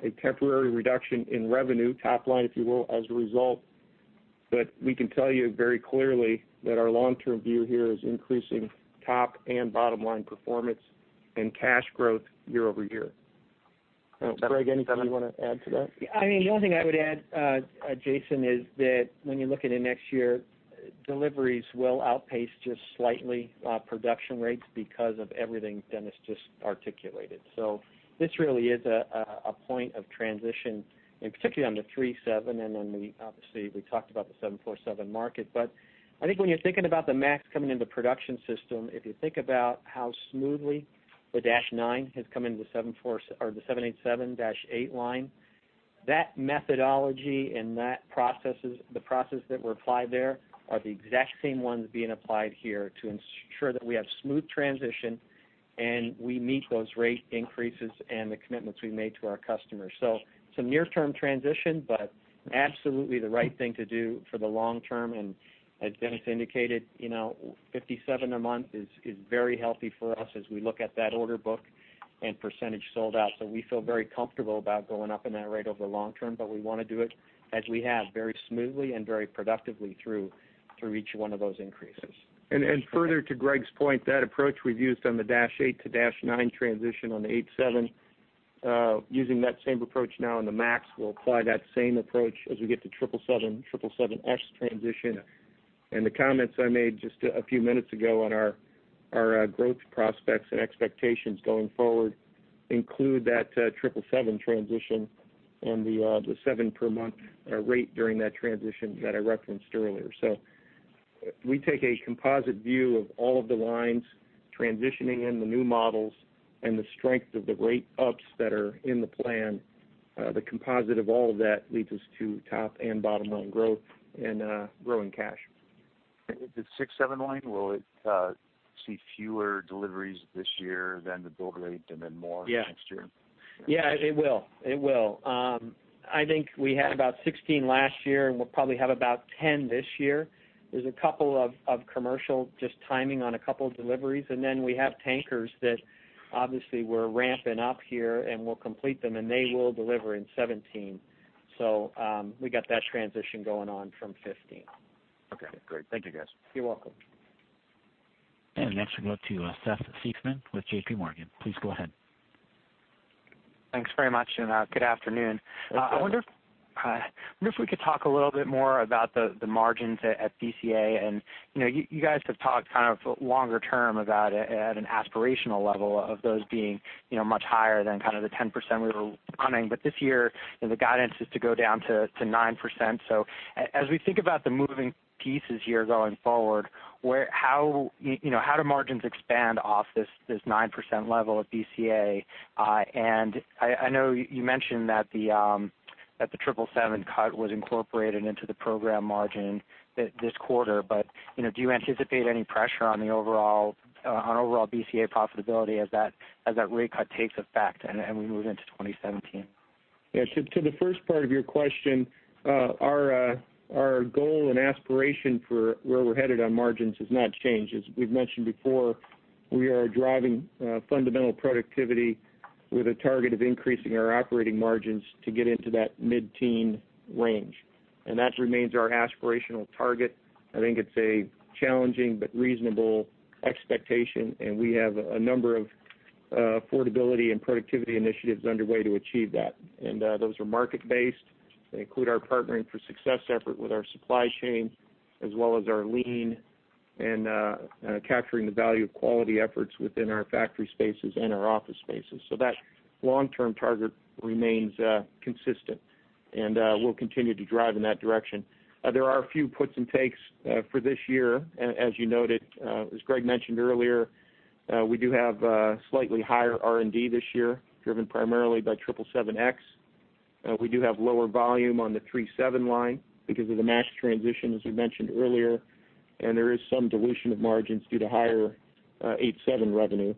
a temporary reduction in revenue, top line, if you will, as a result, but we can tell you very clearly that our long-term view here is increasing top and bottom line performance and cash growth year-over-year. Greg, anything you want to add to that? The only thing I would add, Jason, is that when you look into next year, deliveries will outpace just slightly production rates because of everything Dennis just articulated. This really is a point of transition, and particularly on the 37, and then obviously, we talked about the 747 market. I think when you're thinking about the MAX coming into production system, if you think about how smoothly the dash 9 has come into the 787 dash 8 line, that methodology and the processes that were applied there are the exact same ones being applied here to ensure that we have smooth transition, and we meet those rate increases and the commitments we made to our customers. It's a near-term transition, but absolutely the right thing to do for the long term, and as Dennis indicated, 57 a month is very healthy for us as we look at that order book and percentage sold out. We feel very comfortable about going up in that rate over the long term, but we want to do it, as we have, very smoothly and very productively through each one of those increases. Further to Greg's point, that approach we've used on the 787-8 to 787-9 transition on the 787, using that same approach now on the 737 MAX, we'll apply that same approach as we get to 777, 777X transition. The comments I made just a few minutes ago on our growth prospects and expectations going forward include that 777 transition and the seven per month rate during that transition that I referenced earlier. We take a composite view of all of the lines transitioning in the new models and the strength of the rate ups that are in the plan. The composite of all of that leads us to top and bottom line growth and growing cash. The 767 line, will it see fewer deliveries this year than the build rate and then more next year? Yeah, it will. I think we had about 16 last year, and we'll probably have about 10 this year. There's a couple of commercial, just timing on a couple deliveries, and then we have tankers that obviously we're ramping up here and we'll complete them, and they will deliver in 2017. We got that transition going on from 2015. Okay, great. Thank you, guys. You're welcome. Next we'll go to Seth Seifman with J.P. Morgan. Please go ahead. Thanks very much, and good afternoon. Thanks, Seth. I wonder if we could talk a little bit more about the margins at BCA. You guys have talked kind of longer term about at an aspirational level of those being much higher than kind of the 10% we were running. This year, the guidance is to go down to 9%. As we think about the moving pieces here going forward, how do margins expand off this 9% level of BCA? I know you mentioned that the 777 cut was incorporated into the program margin this quarter, but do you anticipate any pressure on overall BCA profitability as that rate cut takes effect and we move into 2017? Yeah. To the first part of your question, our goal and aspiration for where we're headed on margins has not changed. We've mentioned before, we are driving fundamental productivity with a target of increasing our operating margins to get into that mid-teen range, that remains our aspirational target. I think it's a challenging but reasonable expectation. We have a number of affordability and productivity initiatives underway to achieve that. Those are market based. They include our Partnering for Success effort with our supply chain, as well as our lean and capturing the value of quality efforts within our factory spaces and our office spaces. That long-term target remains consistent. We'll continue to drive in that direction. There are a few puts and takes for this year, as you noted. Greg mentioned earlier, we do have slightly higher R&D this year, driven primarily by 777X. We do have lower volume on the 37 line because of the MAX transition, we mentioned earlier. There is some dilution of margins due to higher 87 revenue.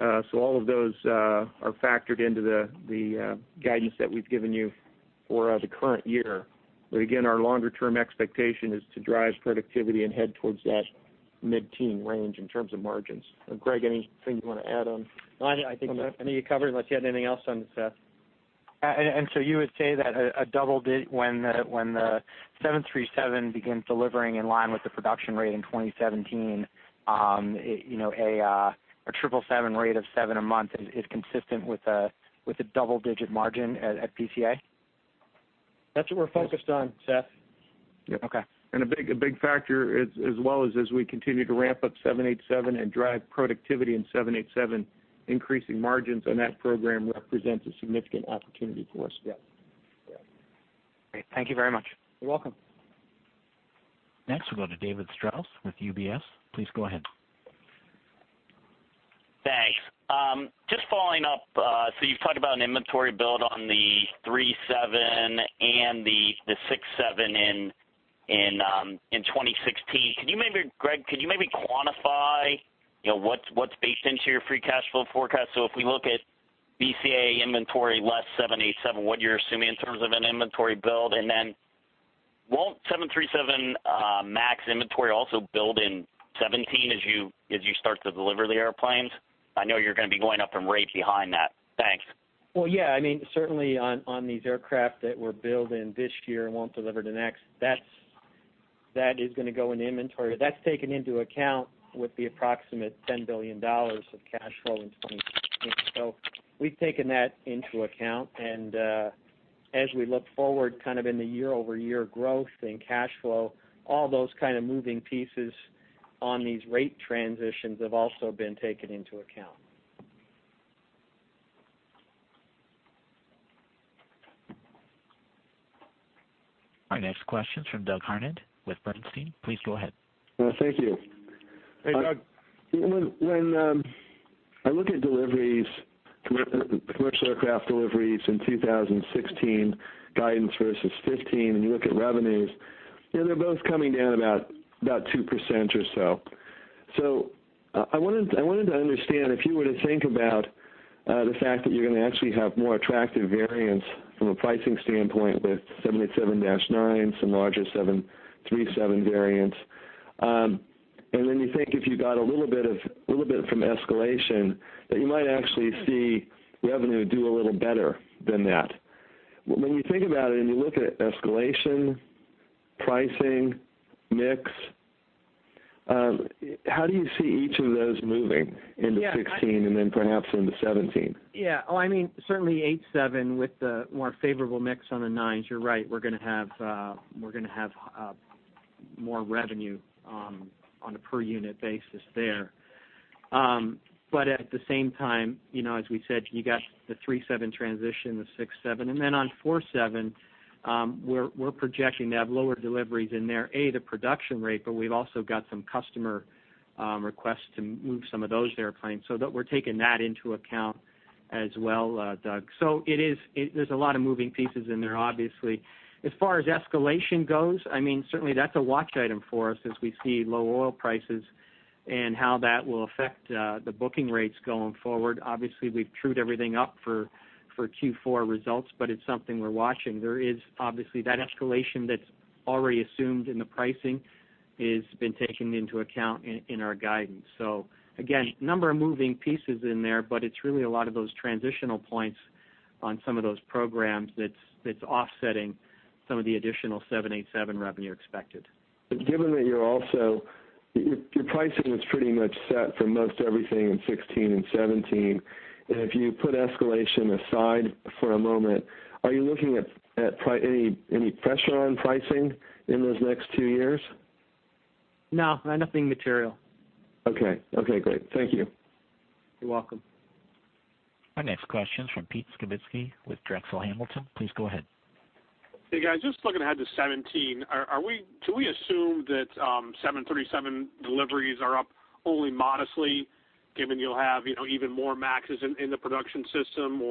All of those are factored into the guidance that we've given you for the current year. Again, our longer-term expectation is to drive productivity and head towards that mid-teen range in terms of margins. Greg, anything you want to add on? No, I think you covered it, unless you had anything else on this, Seth. You would say that a double-digit when the 737 begins delivering in line with the production rate in 2017, a 777 rate of seven a month is consistent with a double-digit margin at BCA? That's what we're focused on, Seth. Okay. A big factor as well is as we continue to ramp up 787 and drive productivity in 787, increasing margins on that program represents a significant opportunity for us. Yes. Great. Thank you very much. You're welcome. Next, we'll go to David Strauss with UBS. Please go ahead. Thanks. Just following up, you've talked about an inventory build on the 737 and the 767 in 2016. Greg, could you maybe quantify what's baked into your free cash flow forecast? If we look at BCA inventory less 787, what you're assuming in terms of an inventory build, and then won't 737 MAX inventory also build in 2017 as you start to deliver the airplanes? I know you're going to be going up in rate behind that. Thanks. Well, yeah. Certainly on these aircraft that we're building this year and won't deliver to next, that is going to go in inventory. That's taken into account with the approximate $10 billion of cash flow in 2016. We've taken that into account, and as we look forward in the year-over-year growth in cash flow, all those kind of moving pieces on these rate transitions have also been taken into account. Our next question's from Doug Harned with Bernstein. Please go ahead. Thank you. Hey, Doug. When I look at commercial aircraft deliveries in 2016 guidance versus 2015, and you look at revenues, they're both coming down about 2% or so. I wanted to understand if you were to think about the fact that you're going to actually have more attractive variants from a pricing standpoint with 787-9, some larger 737 variants, then you think if you got a little bit from escalation, that you might actually see revenue do a little better than that. You think about it and you look at escalation, pricing, mix, how do you see each of those moving into 2016 and then perhaps into 2017? Yeah. Certainly 787 with the more favorable mix on the 9s, you're right, we're going to have more revenue on a per unit basis there. At the same time, as we said, you got the 737 transition, the 767, then on 747, we're projecting to have lower deliveries in there, A, the production rate, but we've also got some customer requests to move some of those airplanes. We're taking that into account as well, Doug. There's a lot of moving pieces in there, obviously. As far as escalation goes, certainly that's a watch item for us as we see low oil prices and how that will affect the booking rates going forward. Obviously, we've trued everything up for Q4 results, but it's something we're watching. There is, obviously, that escalation that's already assumed in the pricing has been taken into account in our guidance. Again, number of moving pieces in there, but it's really a lot of those transitional points on some of those programs that's offsetting some of the additional 787 revenue expected. Given that your pricing was pretty much set for most everything in 2016 and 2017, if you put escalation aside for a moment, are you looking at any pressure on pricing in those next two years? No, nothing material. Okay. Great. Thank you. You're welcome. Our next question's from Peter Skibitski with Drexel Hamilton. Please go ahead. Hey, guys. Just looking ahead to 2017, can we assume that 737 deliveries are up only modestly given you'll have even more MAXs in the production system?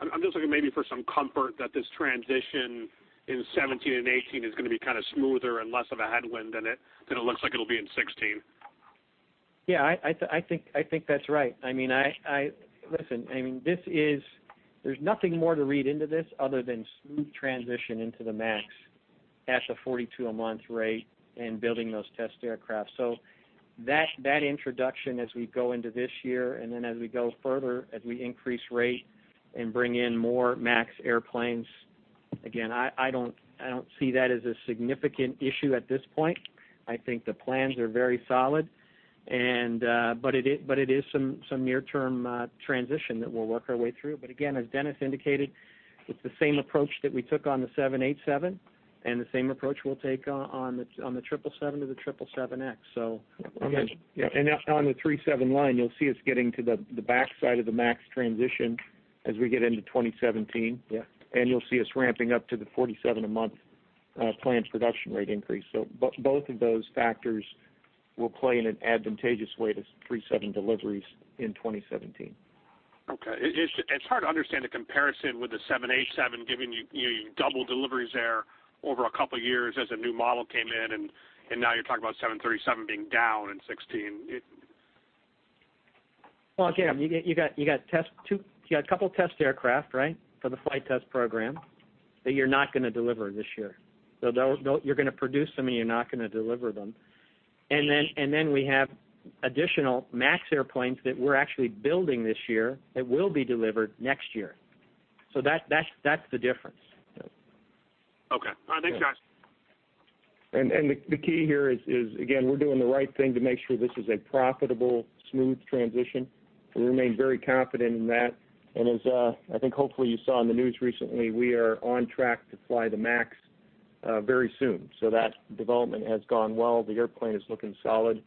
I'm just looking maybe for some comfort that this transition in 2017 and 2018 is going to be kind of smoother and less of a headwind than it looks like it'll be in 2016. I think that's right. Listen, there's nothing more to read into this other than smooth transition into the MAX at the 42-a-month rate and building those test aircraft. That introduction as we go into this year, then as we go further, as we increase rate and bring in more MAX airplanes, again, I don't see that as a significant issue at this point. I think the plans are very solid, but it is some near-term transition that we'll work our way through. Again, as Dennis indicated, it's the same approach that we took on the 787. The same approach we'll take on the 777 to the 777X. On the 737 line, you'll see us getting to the backside of the MAX transition as we get into 2017. Yeah. You'll see us ramping up to the 47 a month planned production rate increase. Both of those factors will play in an advantageous way to 737 deliveries in 2017. Okay. It's hard to understand the comparison with the 787, given you doubled deliveries there over a couple of years as a new model came in, now you're talking about 737 being down in 2016. Well, Jon, you got a couple test aircraft, right? For the flight test program that you're not going to deliver this year. You're going to produce them, and you're not going to deliver them. We have additional MAX airplanes that we're actually building this year that will be delivered next year. That's the difference. Okay. All right, thanks, guys. The key here is, again, we're doing the right thing to make sure this is a profitable, smooth transition. We remain very confident in that. As, I think hopefully you saw in the news recently, we are on track to fly the MAX very soon. That development has gone well. The airplane is looking solid,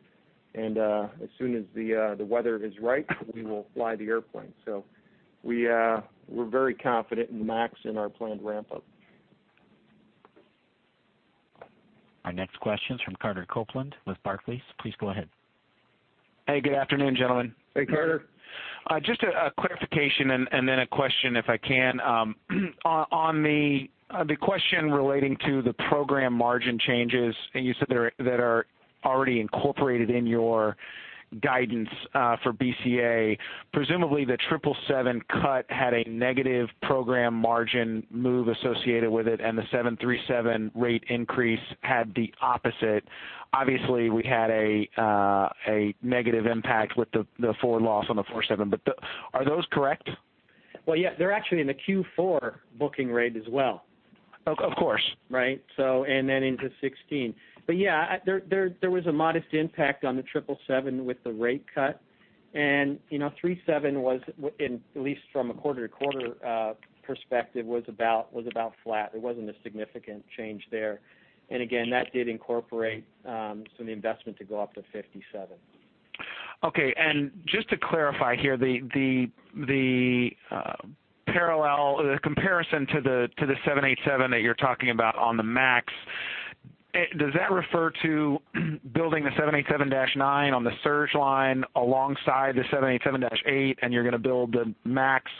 and as soon as the weather is right, we will fly the airplane. We're very confident in the MAX and our planned ramp up. Our next question is from Carter Copeland with Barclays. Please go ahead. Hey, good afternoon, gentlemen. Hey, Carter. Just a clarification and then a question, if I can. On the question relating to the program margin changes, and you said that are already incorporated in your guidance for BCA, presumably the 777 cut had a negative program margin move associated with it, and the 737 rate increase had the opposite. Obviously, we had a negative impact with the forward loss on the 747. Are those correct? Well, yeah, they're actually in the Q4 booking rate as well. Of course. Right. Then into 2016. Yeah, there was a modest impact on the 777 with the rate cut. 737 was, at least from a quarter-over-quarter perspective, was about flat. There wasn't a significant change there. Again, that did incorporate some of the investment to go up to 57. Okay. Just to clarify here, the parallel, the comparison to the 787 that you're talking about on the MAX, does that refer to building the 787-9 on the surge line alongside the 787-8, and you're going to build the MAX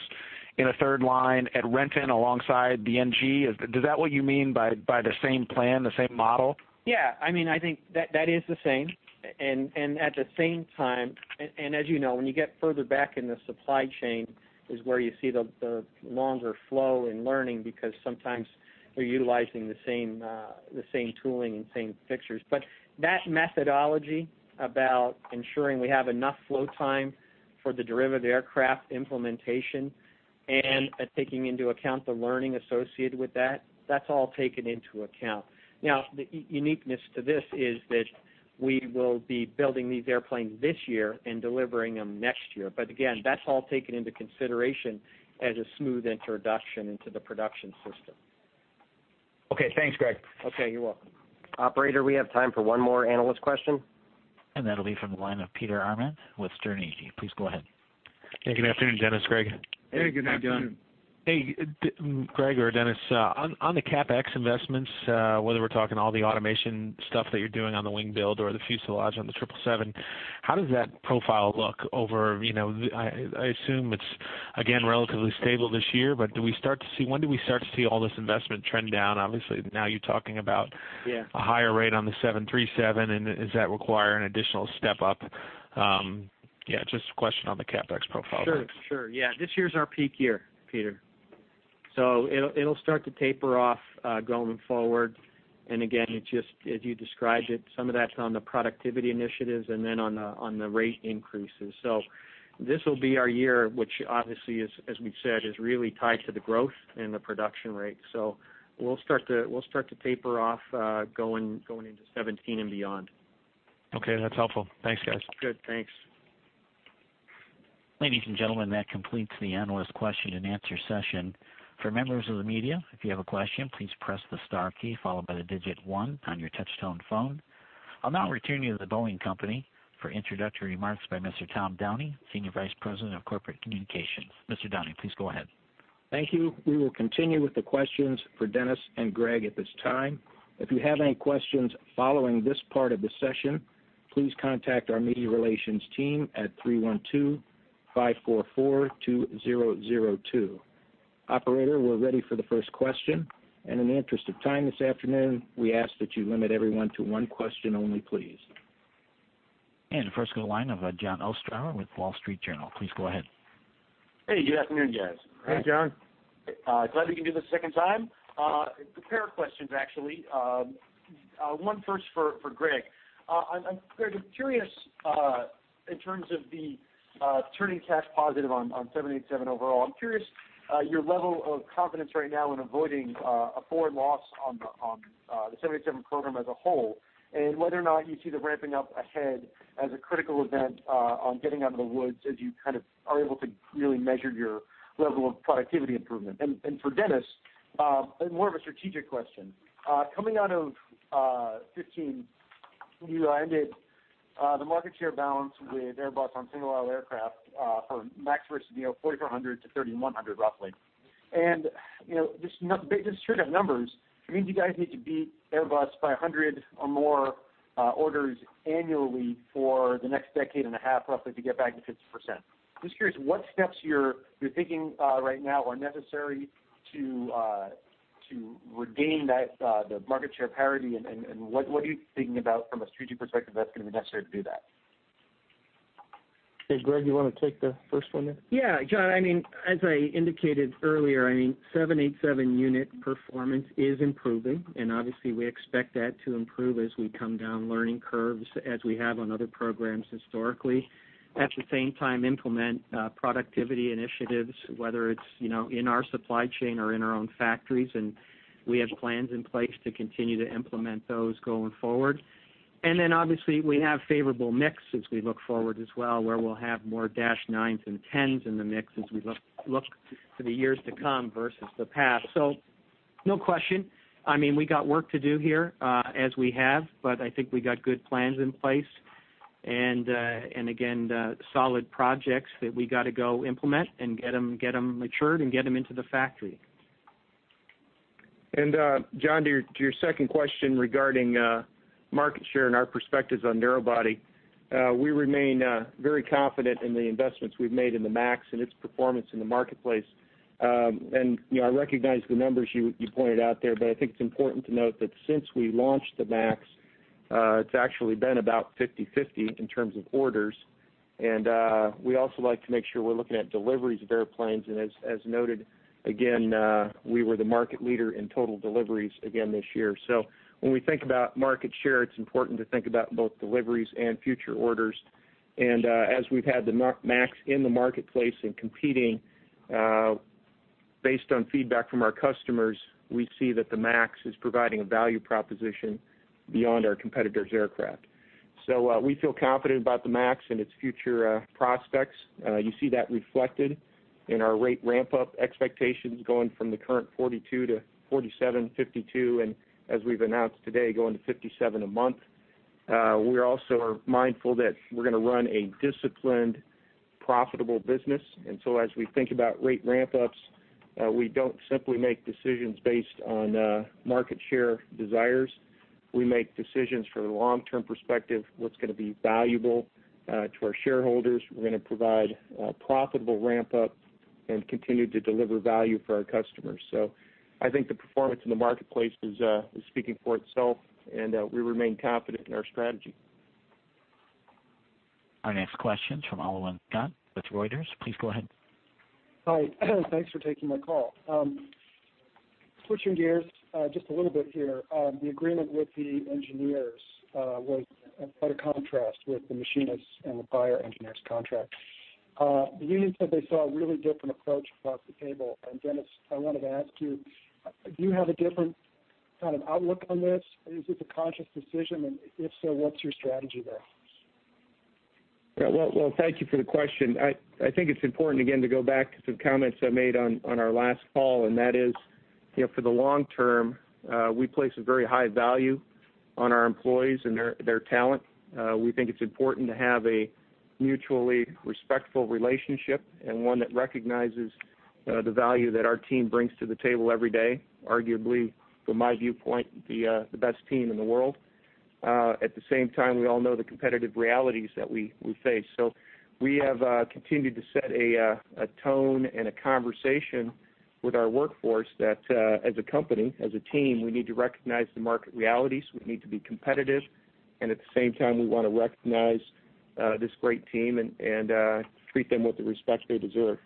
in a third line at Renton alongside the NG? Is that what you mean by the same plan, the same model? Yeah. I think that is the same. At the same time, as you know, when you get further back in the supply chain is where you see the longer flow in learning, because sometimes we're utilizing the same tooling and same fixtures. That methodology about ensuring we have enough flow time for the derivative aircraft implementation and taking into account the learning associated with that's all taken into account. The uniqueness to this is that we will be building these airplanes this year and delivering them next year. Again, that's all taken into consideration as a smooth introduction into the production system. Okay. Thanks, Greg. Okay, you're welcome. Operator, we have time for one more analyst question. That'll be from the line of Peter Arment with Sterne Agee. Please go ahead. Hey, good afternoon, Dennis, Greg. Hey, good afternoon. Good afternoon. Hey, Greg or Dennis, on the CapEx investments, whether we're talking all the automation stuff that you're doing on the wing build or the fuselage on the 777, how does that profile look over, I assume it's, again, relatively stable this year, but when do we start to see all this investment trend down? Obviously, now you're talking about. Yeah a higher rate on the 737. Does that require an additional step up? Yeah, just a question on the CapEx profile. Sure. Yeah. This year's our peak year, Peter. It'll start to taper off going forward. Again, as you described it, some of that's on the productivity initiatives and then on the rate increases. This'll be our year, which obviously, as we've said, is really tied to the growth and the production rate. We'll start to taper off going into 2017 and beyond. Okay, that's helpful. Thanks, guys. Good. Thanks. Ladies and gentlemen, that completes the analyst question and answer session. For members of the media, if you have a question, please press the star key followed by the digit 1 on your touch-tone phone. I'll now return you to The Boeing Company for introductory remarks by Mr. Tom Downey, Senior Vice President of Corporate Communications. Mr. Downey, please go ahead. Thank you. We will continue with the questions for Dennis and Greg at this time. If you have any questions following this part of the session, please contact our media relations team at 312-544-2002. Operator, we're ready for the first question. In the interest of time this afternoon, we ask that you limit everyone to one question only, please. First to the line of Jon Ostrower with The Wall Street Journal. Please go ahead. Hey, good afternoon, guys. Hey, Jon. Glad we can do this a second time. A pair of questions, actually. One first for Greg. Greg, I'm curious, in terms of the turning cash positive on 787 overall, I'm curious your level of confidence right now in avoiding a forward loss on the 787 program as a whole, and whether or not you see the ramping up ahead as a critical event on getting out of the woods as you kind of are able to really measure your level of productivity improvement. For Dennis, more of a strategic question. Coming out of 2015, you ended market share balance with Airbus on single-aisle aircraft for MAX versus Neo, 4,400 to 3,100 roughly. Just straight up numbers, it means you guys need to beat Airbus by 100 or more orders annually for the next decade and a half roughly to get back to 50%. Just curious what steps you're thinking right now are necessary to regain the market share parity, what are you thinking about from a strategic perspective that's going to be necessary to do that? Hey, Greg, you want to take the first one there? Yeah, Jon, as I indicated earlier, 787 unit performance is improving, obviously we expect that to improve as we come down learning curves as we have on other programs historically. At the same time, implement productivity initiatives, whether it's in our supply chain or in our own factories, we have plans in place to continue to implement those going forward. Obviously we have favorable mix as we look forward as well, where we'll have more dash 9s and 10s in the mix as we look to the years to come versus the past. No question, we got work to do here as we have, I think we got good plans in place and again, solid projects that we got to go implement and get them matured and get them into the factory. Jon, to your second question regarding market share and our perspectives on narrow body, we remain very confident in the investments we've made in the MAX and its performance in the marketplace. I recognize the numbers you pointed out there, but I think it's important to note that since we launched the MAX, it's actually been about 50/50 in terms of orders. We also like to make sure we're looking at deliveries of airplanes, and as noted, again, we were the market leader in total deliveries again this year. When we think about market share, it's important to think about both deliveries and future orders. As we've had the MAX in the marketplace and competing, based on feedback from our customers, we see that the MAX is providing a value proposition beyond our competitor's aircraft. We feel confident about the MAX and its future prospects. You see that reflected in our rate ramp-up expectations going from the current 42 to 47, 52, and as we've announced today, going to 57 a month. We also are mindful that we're going to run a disciplined, profitable business. As we think about rate ramp-ups, we don't simply make decisions based on market share desires. We make decisions for the long-term perspective, what's going to be valuable to our shareholders. We're going to provide a profitable ramp-up and continue to deliver value for our customers. I think the performance in the marketplace is speaking for itself, and we remain confident in our strategy. Our next question's from Alwyn Scott with Reuters. Please go ahead. Hi. Thanks for taking my call. Switching gears just a little bit here. The agreement with the engineers was quite a contrast with the machinists and the prior engineers contract. The union said they saw a really different approach across the table, Dennis, I wanted to ask you, do you have a different kind of outlook on this? Is this a conscious decision, and if so, what's your strategy there? Well, thank you for the question. I think it's important, again, to go back to some comments I made on our last call. That is, for the long term, we place a very high value on our employees and their talent. We think it's important to have a mutually respectful relationship and one that recognizes the value that our team brings to the table every day, arguably, from my viewpoint, the best team in the world. At the same time, we all know the competitive realities that we face. We have continued to set a tone and a conversation with our workforce that as a company, as a team, we need to recognize the market realities. We need to be competitive, and at the same time, we want to recognize this great team and treat them with the respect they deserve.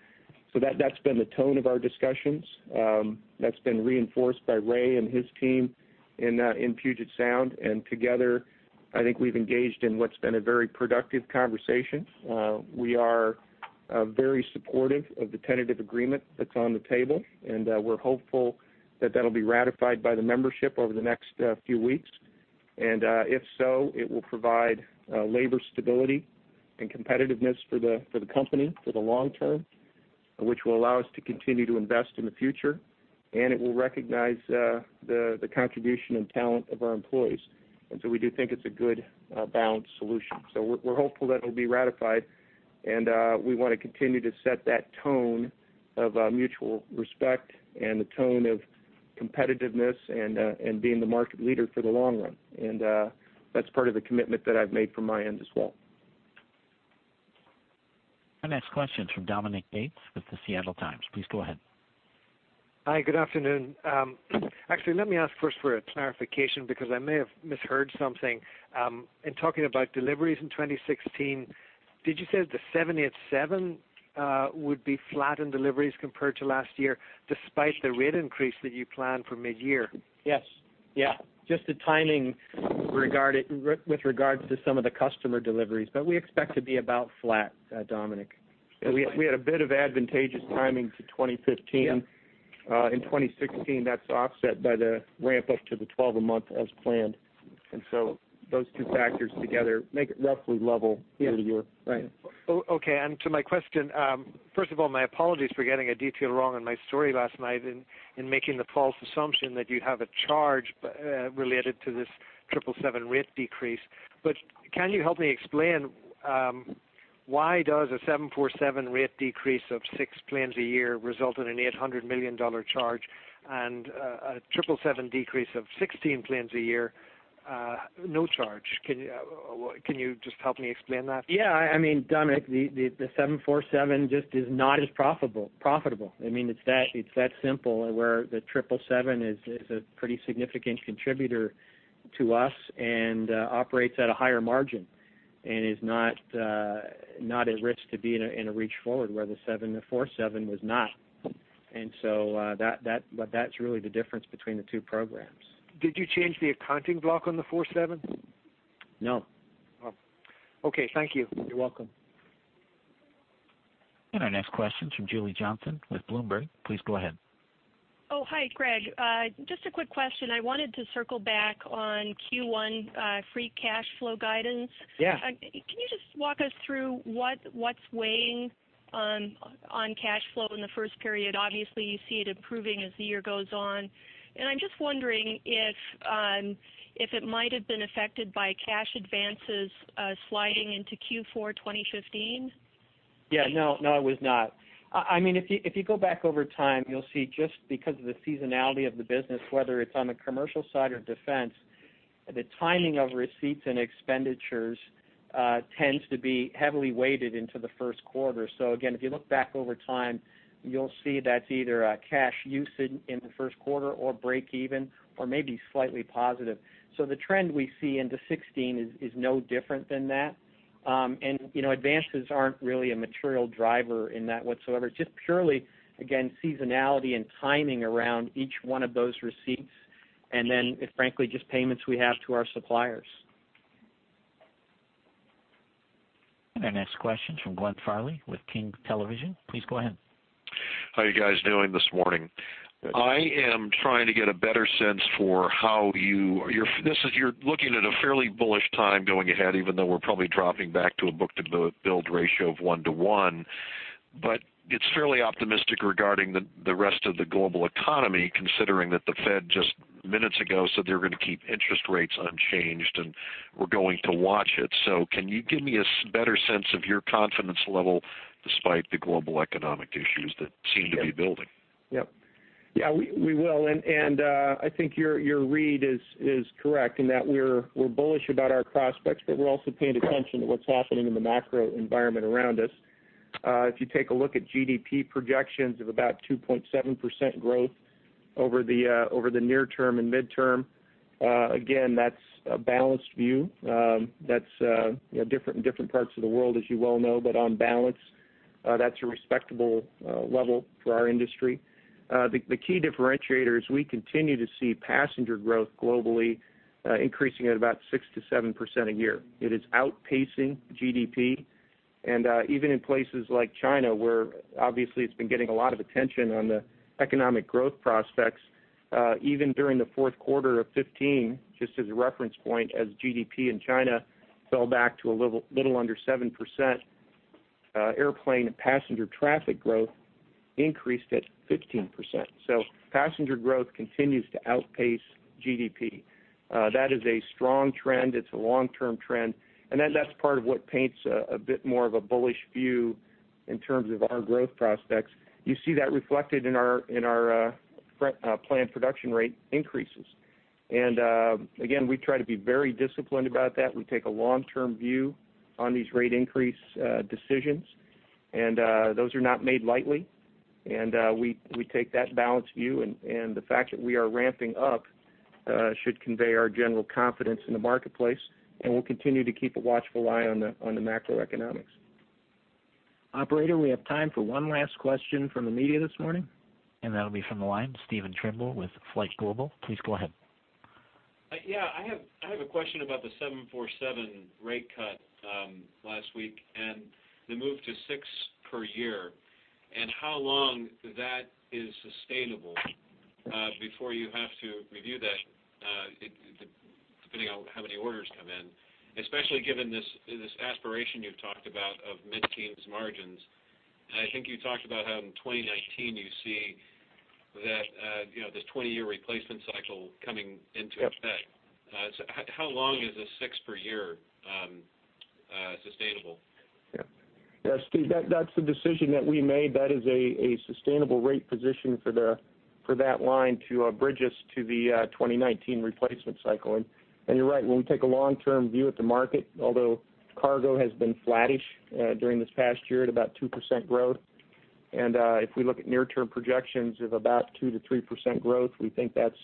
That's been the tone of our discussions. That's been reinforced by Ray and his team in Puget Sound, and together, I think we've engaged in what's been a very productive conversation. We are very supportive of the tentative agreement that's on the table, and we're hopeful that that'll be ratified by the membership over the next few weeks. If so, it will provide labor stability and competitiveness for the company for the long term, which will allow us to continue to invest in the future. It will recognize the contribution and talent of our employees. We do think it's a good balanced solution. We're hopeful that it'll be ratified, and we want to continue to set that tone of mutual respect and the tone of competitiveness and being the market leader for the long run. That's part of the commitment that I've made from my end as well. Our next question's from Dominic Gates with The Seattle Times. Please go ahead. Hi, good afternoon. Actually, let me ask first for a clarification because I may have misheard something. In talking about deliveries in 2016, did you say that the 787 would be flat in deliveries compared to last year despite the rate increase that you plan for mid-year? Yes. Just the timing with regards to some of the customer deliveries. We expect to be about flat, Dominic. We had a bit of advantageous timing to 2015. Yeah. In 2016, that's offset by the ramp-up to the 12 a month as planned. Those two factors together make it roughly level year to year. Yes. Right. Okay, to my question, first of all, my apologies for getting a detail wrong on my story last night and making the false assumption that you have a charge related to this 777 rate decrease. Can you help me explain. Why does a 747 rate decrease of six planes a year result in an $800 million charge and a 777 decrease of 16 planes a year, no charge? Can you just help me explain that? Yeah. Dominic, the 747 just is not as profitable. It's that simple. Where the 777 is a pretty significant contributor to us and operates at a higher margin and is not at risk to be in a reach-forward loss where the 747 was not. That's really the difference between the two programs. Did you change the accounting block on the 47? No. Oh, okay. Thank you. You're welcome. Our next question's from Julie Johnsson with Bloomberg. Please go ahead. Oh, hi, Greg. Just a quick question. I wanted to circle back on Q1 free cash flow guidance. Yeah. Can you just walk us through what's weighing on cash flow in the first period? Obviously, you see it improving as the year goes on. I'm just wondering if it might have been affected by cash advances sliding into Q4 2015. Yeah. No, it was not. If you go back over time, you'll see just because of the seasonality of the business, whether it's on the commercial side or defense, the timing of receipts and expenditures tends to be heavily weighted into the first quarter. Again, if you look back over time, you'll see that's either a cash use in the first quarter or breakeven, or maybe slightly positive. The trend we see into 2016 is no different than that. Advances aren't really a material driver in that whatsoever, just purely, again, seasonality and timing around each one of those receipts, and then frankly, just payments we have to our suppliers. Our next question's from Glenn Farley with King Television. Please go ahead. How are you guys doing this morning? I am trying to get a better sense for how you're looking at a fairly bullish time going ahead, even though we're probably dropping back to a book-to-build ratio of 1 to 1. It's fairly optimistic regarding the rest of the global economy, considering that the Fed just minutes ago said they're going to keep interest rates unchanged, and we're going to watch it. Can you give me a better sense of your confidence level despite the global economic issues that seem to be building? Yep. Yeah, we will. I think your read is correct in that we're bullish about our prospects, but we're also paying attention to what's happening in the macro environment around us. If you take a look at GDP projections of about 2.7% growth over the near term and midterm, again, that's a balanced view. That's different in different parts of the world, as you well know, but on balance, that's a respectable level for our industry. The key differentiator is we continue to see passenger growth globally, increasing at about 6%-7% a year. It is outpacing GDP. Even in places like China, where obviously it's been getting a lot of attention on the economic growth prospects, even during the fourth quarter of 2015, just as a reference point, as GDP in China fell back to a little under 7%, airplane and passenger traffic growth increased at 15%. Passenger growth continues to outpace GDP. That is a strong trend. It's a long-term trend, and that's part of what paints a bit more of a bullish view in terms of our growth prospects. You see that reflected in our planned production rate increases. Again, we try to be very disciplined about that. We take a long-term view on these rate increase decisions, and those are not made lightly. We take that balanced view, and the fact that we are ramping up should convey our general confidence in the marketplace, and we'll continue to keep a watchful eye on the macroeconomics. Operator, we have time for one last question from the media this morning. That'll be from the line, Stephen Trimble with FlightGlobal. Please go ahead. I have a question about the 747 rate cut last week and the move to six per year, and how long that is sustainable before you have to review that, depending on how many orders come in, especially given this aspiration you've talked about of mid-teens margins. I think you talked about how in 2019 you see that this 20-year replacement cycle coming into effect. Yep. How long is this six per year sustainable? Steve, that's the decision that we made. That is a sustainable rate position for that line to bridge us to the 2019 replacement cycle. You're right, when we take a long-term view at the market, although cargo has been flattish during this past year at about 2% growth, if we look at near term projections of about 2%-3% growth, we think that's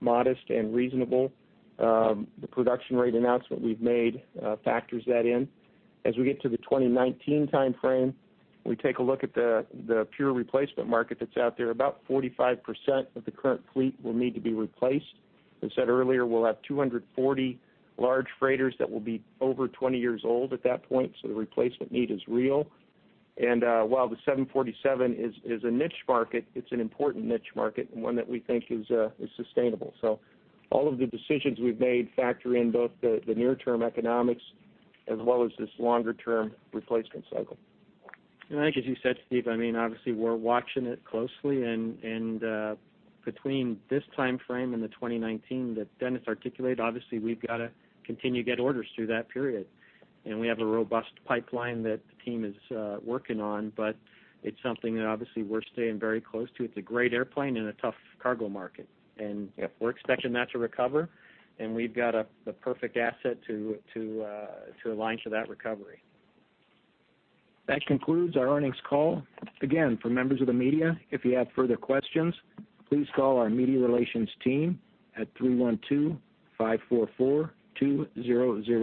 modest and reasonable. The production rate announcement we've made factors that in. As we get to the 2019 timeframe, we take a look at the pure replacement market that's out there. About 45% of the current fleet will need to be replaced. As said earlier, we'll have 240 large freighters that will be over 20 years old at that point, the replacement need is real. While the 747 is a niche market, it's an important niche market and one that we think is sustainable. All of the decisions we've made factor in both the near term economics as well as this longer-term replacement cycle. I think as you said, Steve, obviously we're watching it closely and between this timeframe and the 2019 that Dennis articulated, obviously we've got to continue to get orders through that period. We have a robust pipeline that the team is working on, but it's something that obviously we're staying very close to. It's a great airplane in a tough cargo market. Yep. We're expecting that to recover, and we've got the perfect asset to align to that recovery. That concludes our earnings call. Again, for members of the media, if you have further questions, please call our media relations team at 312-544-2002.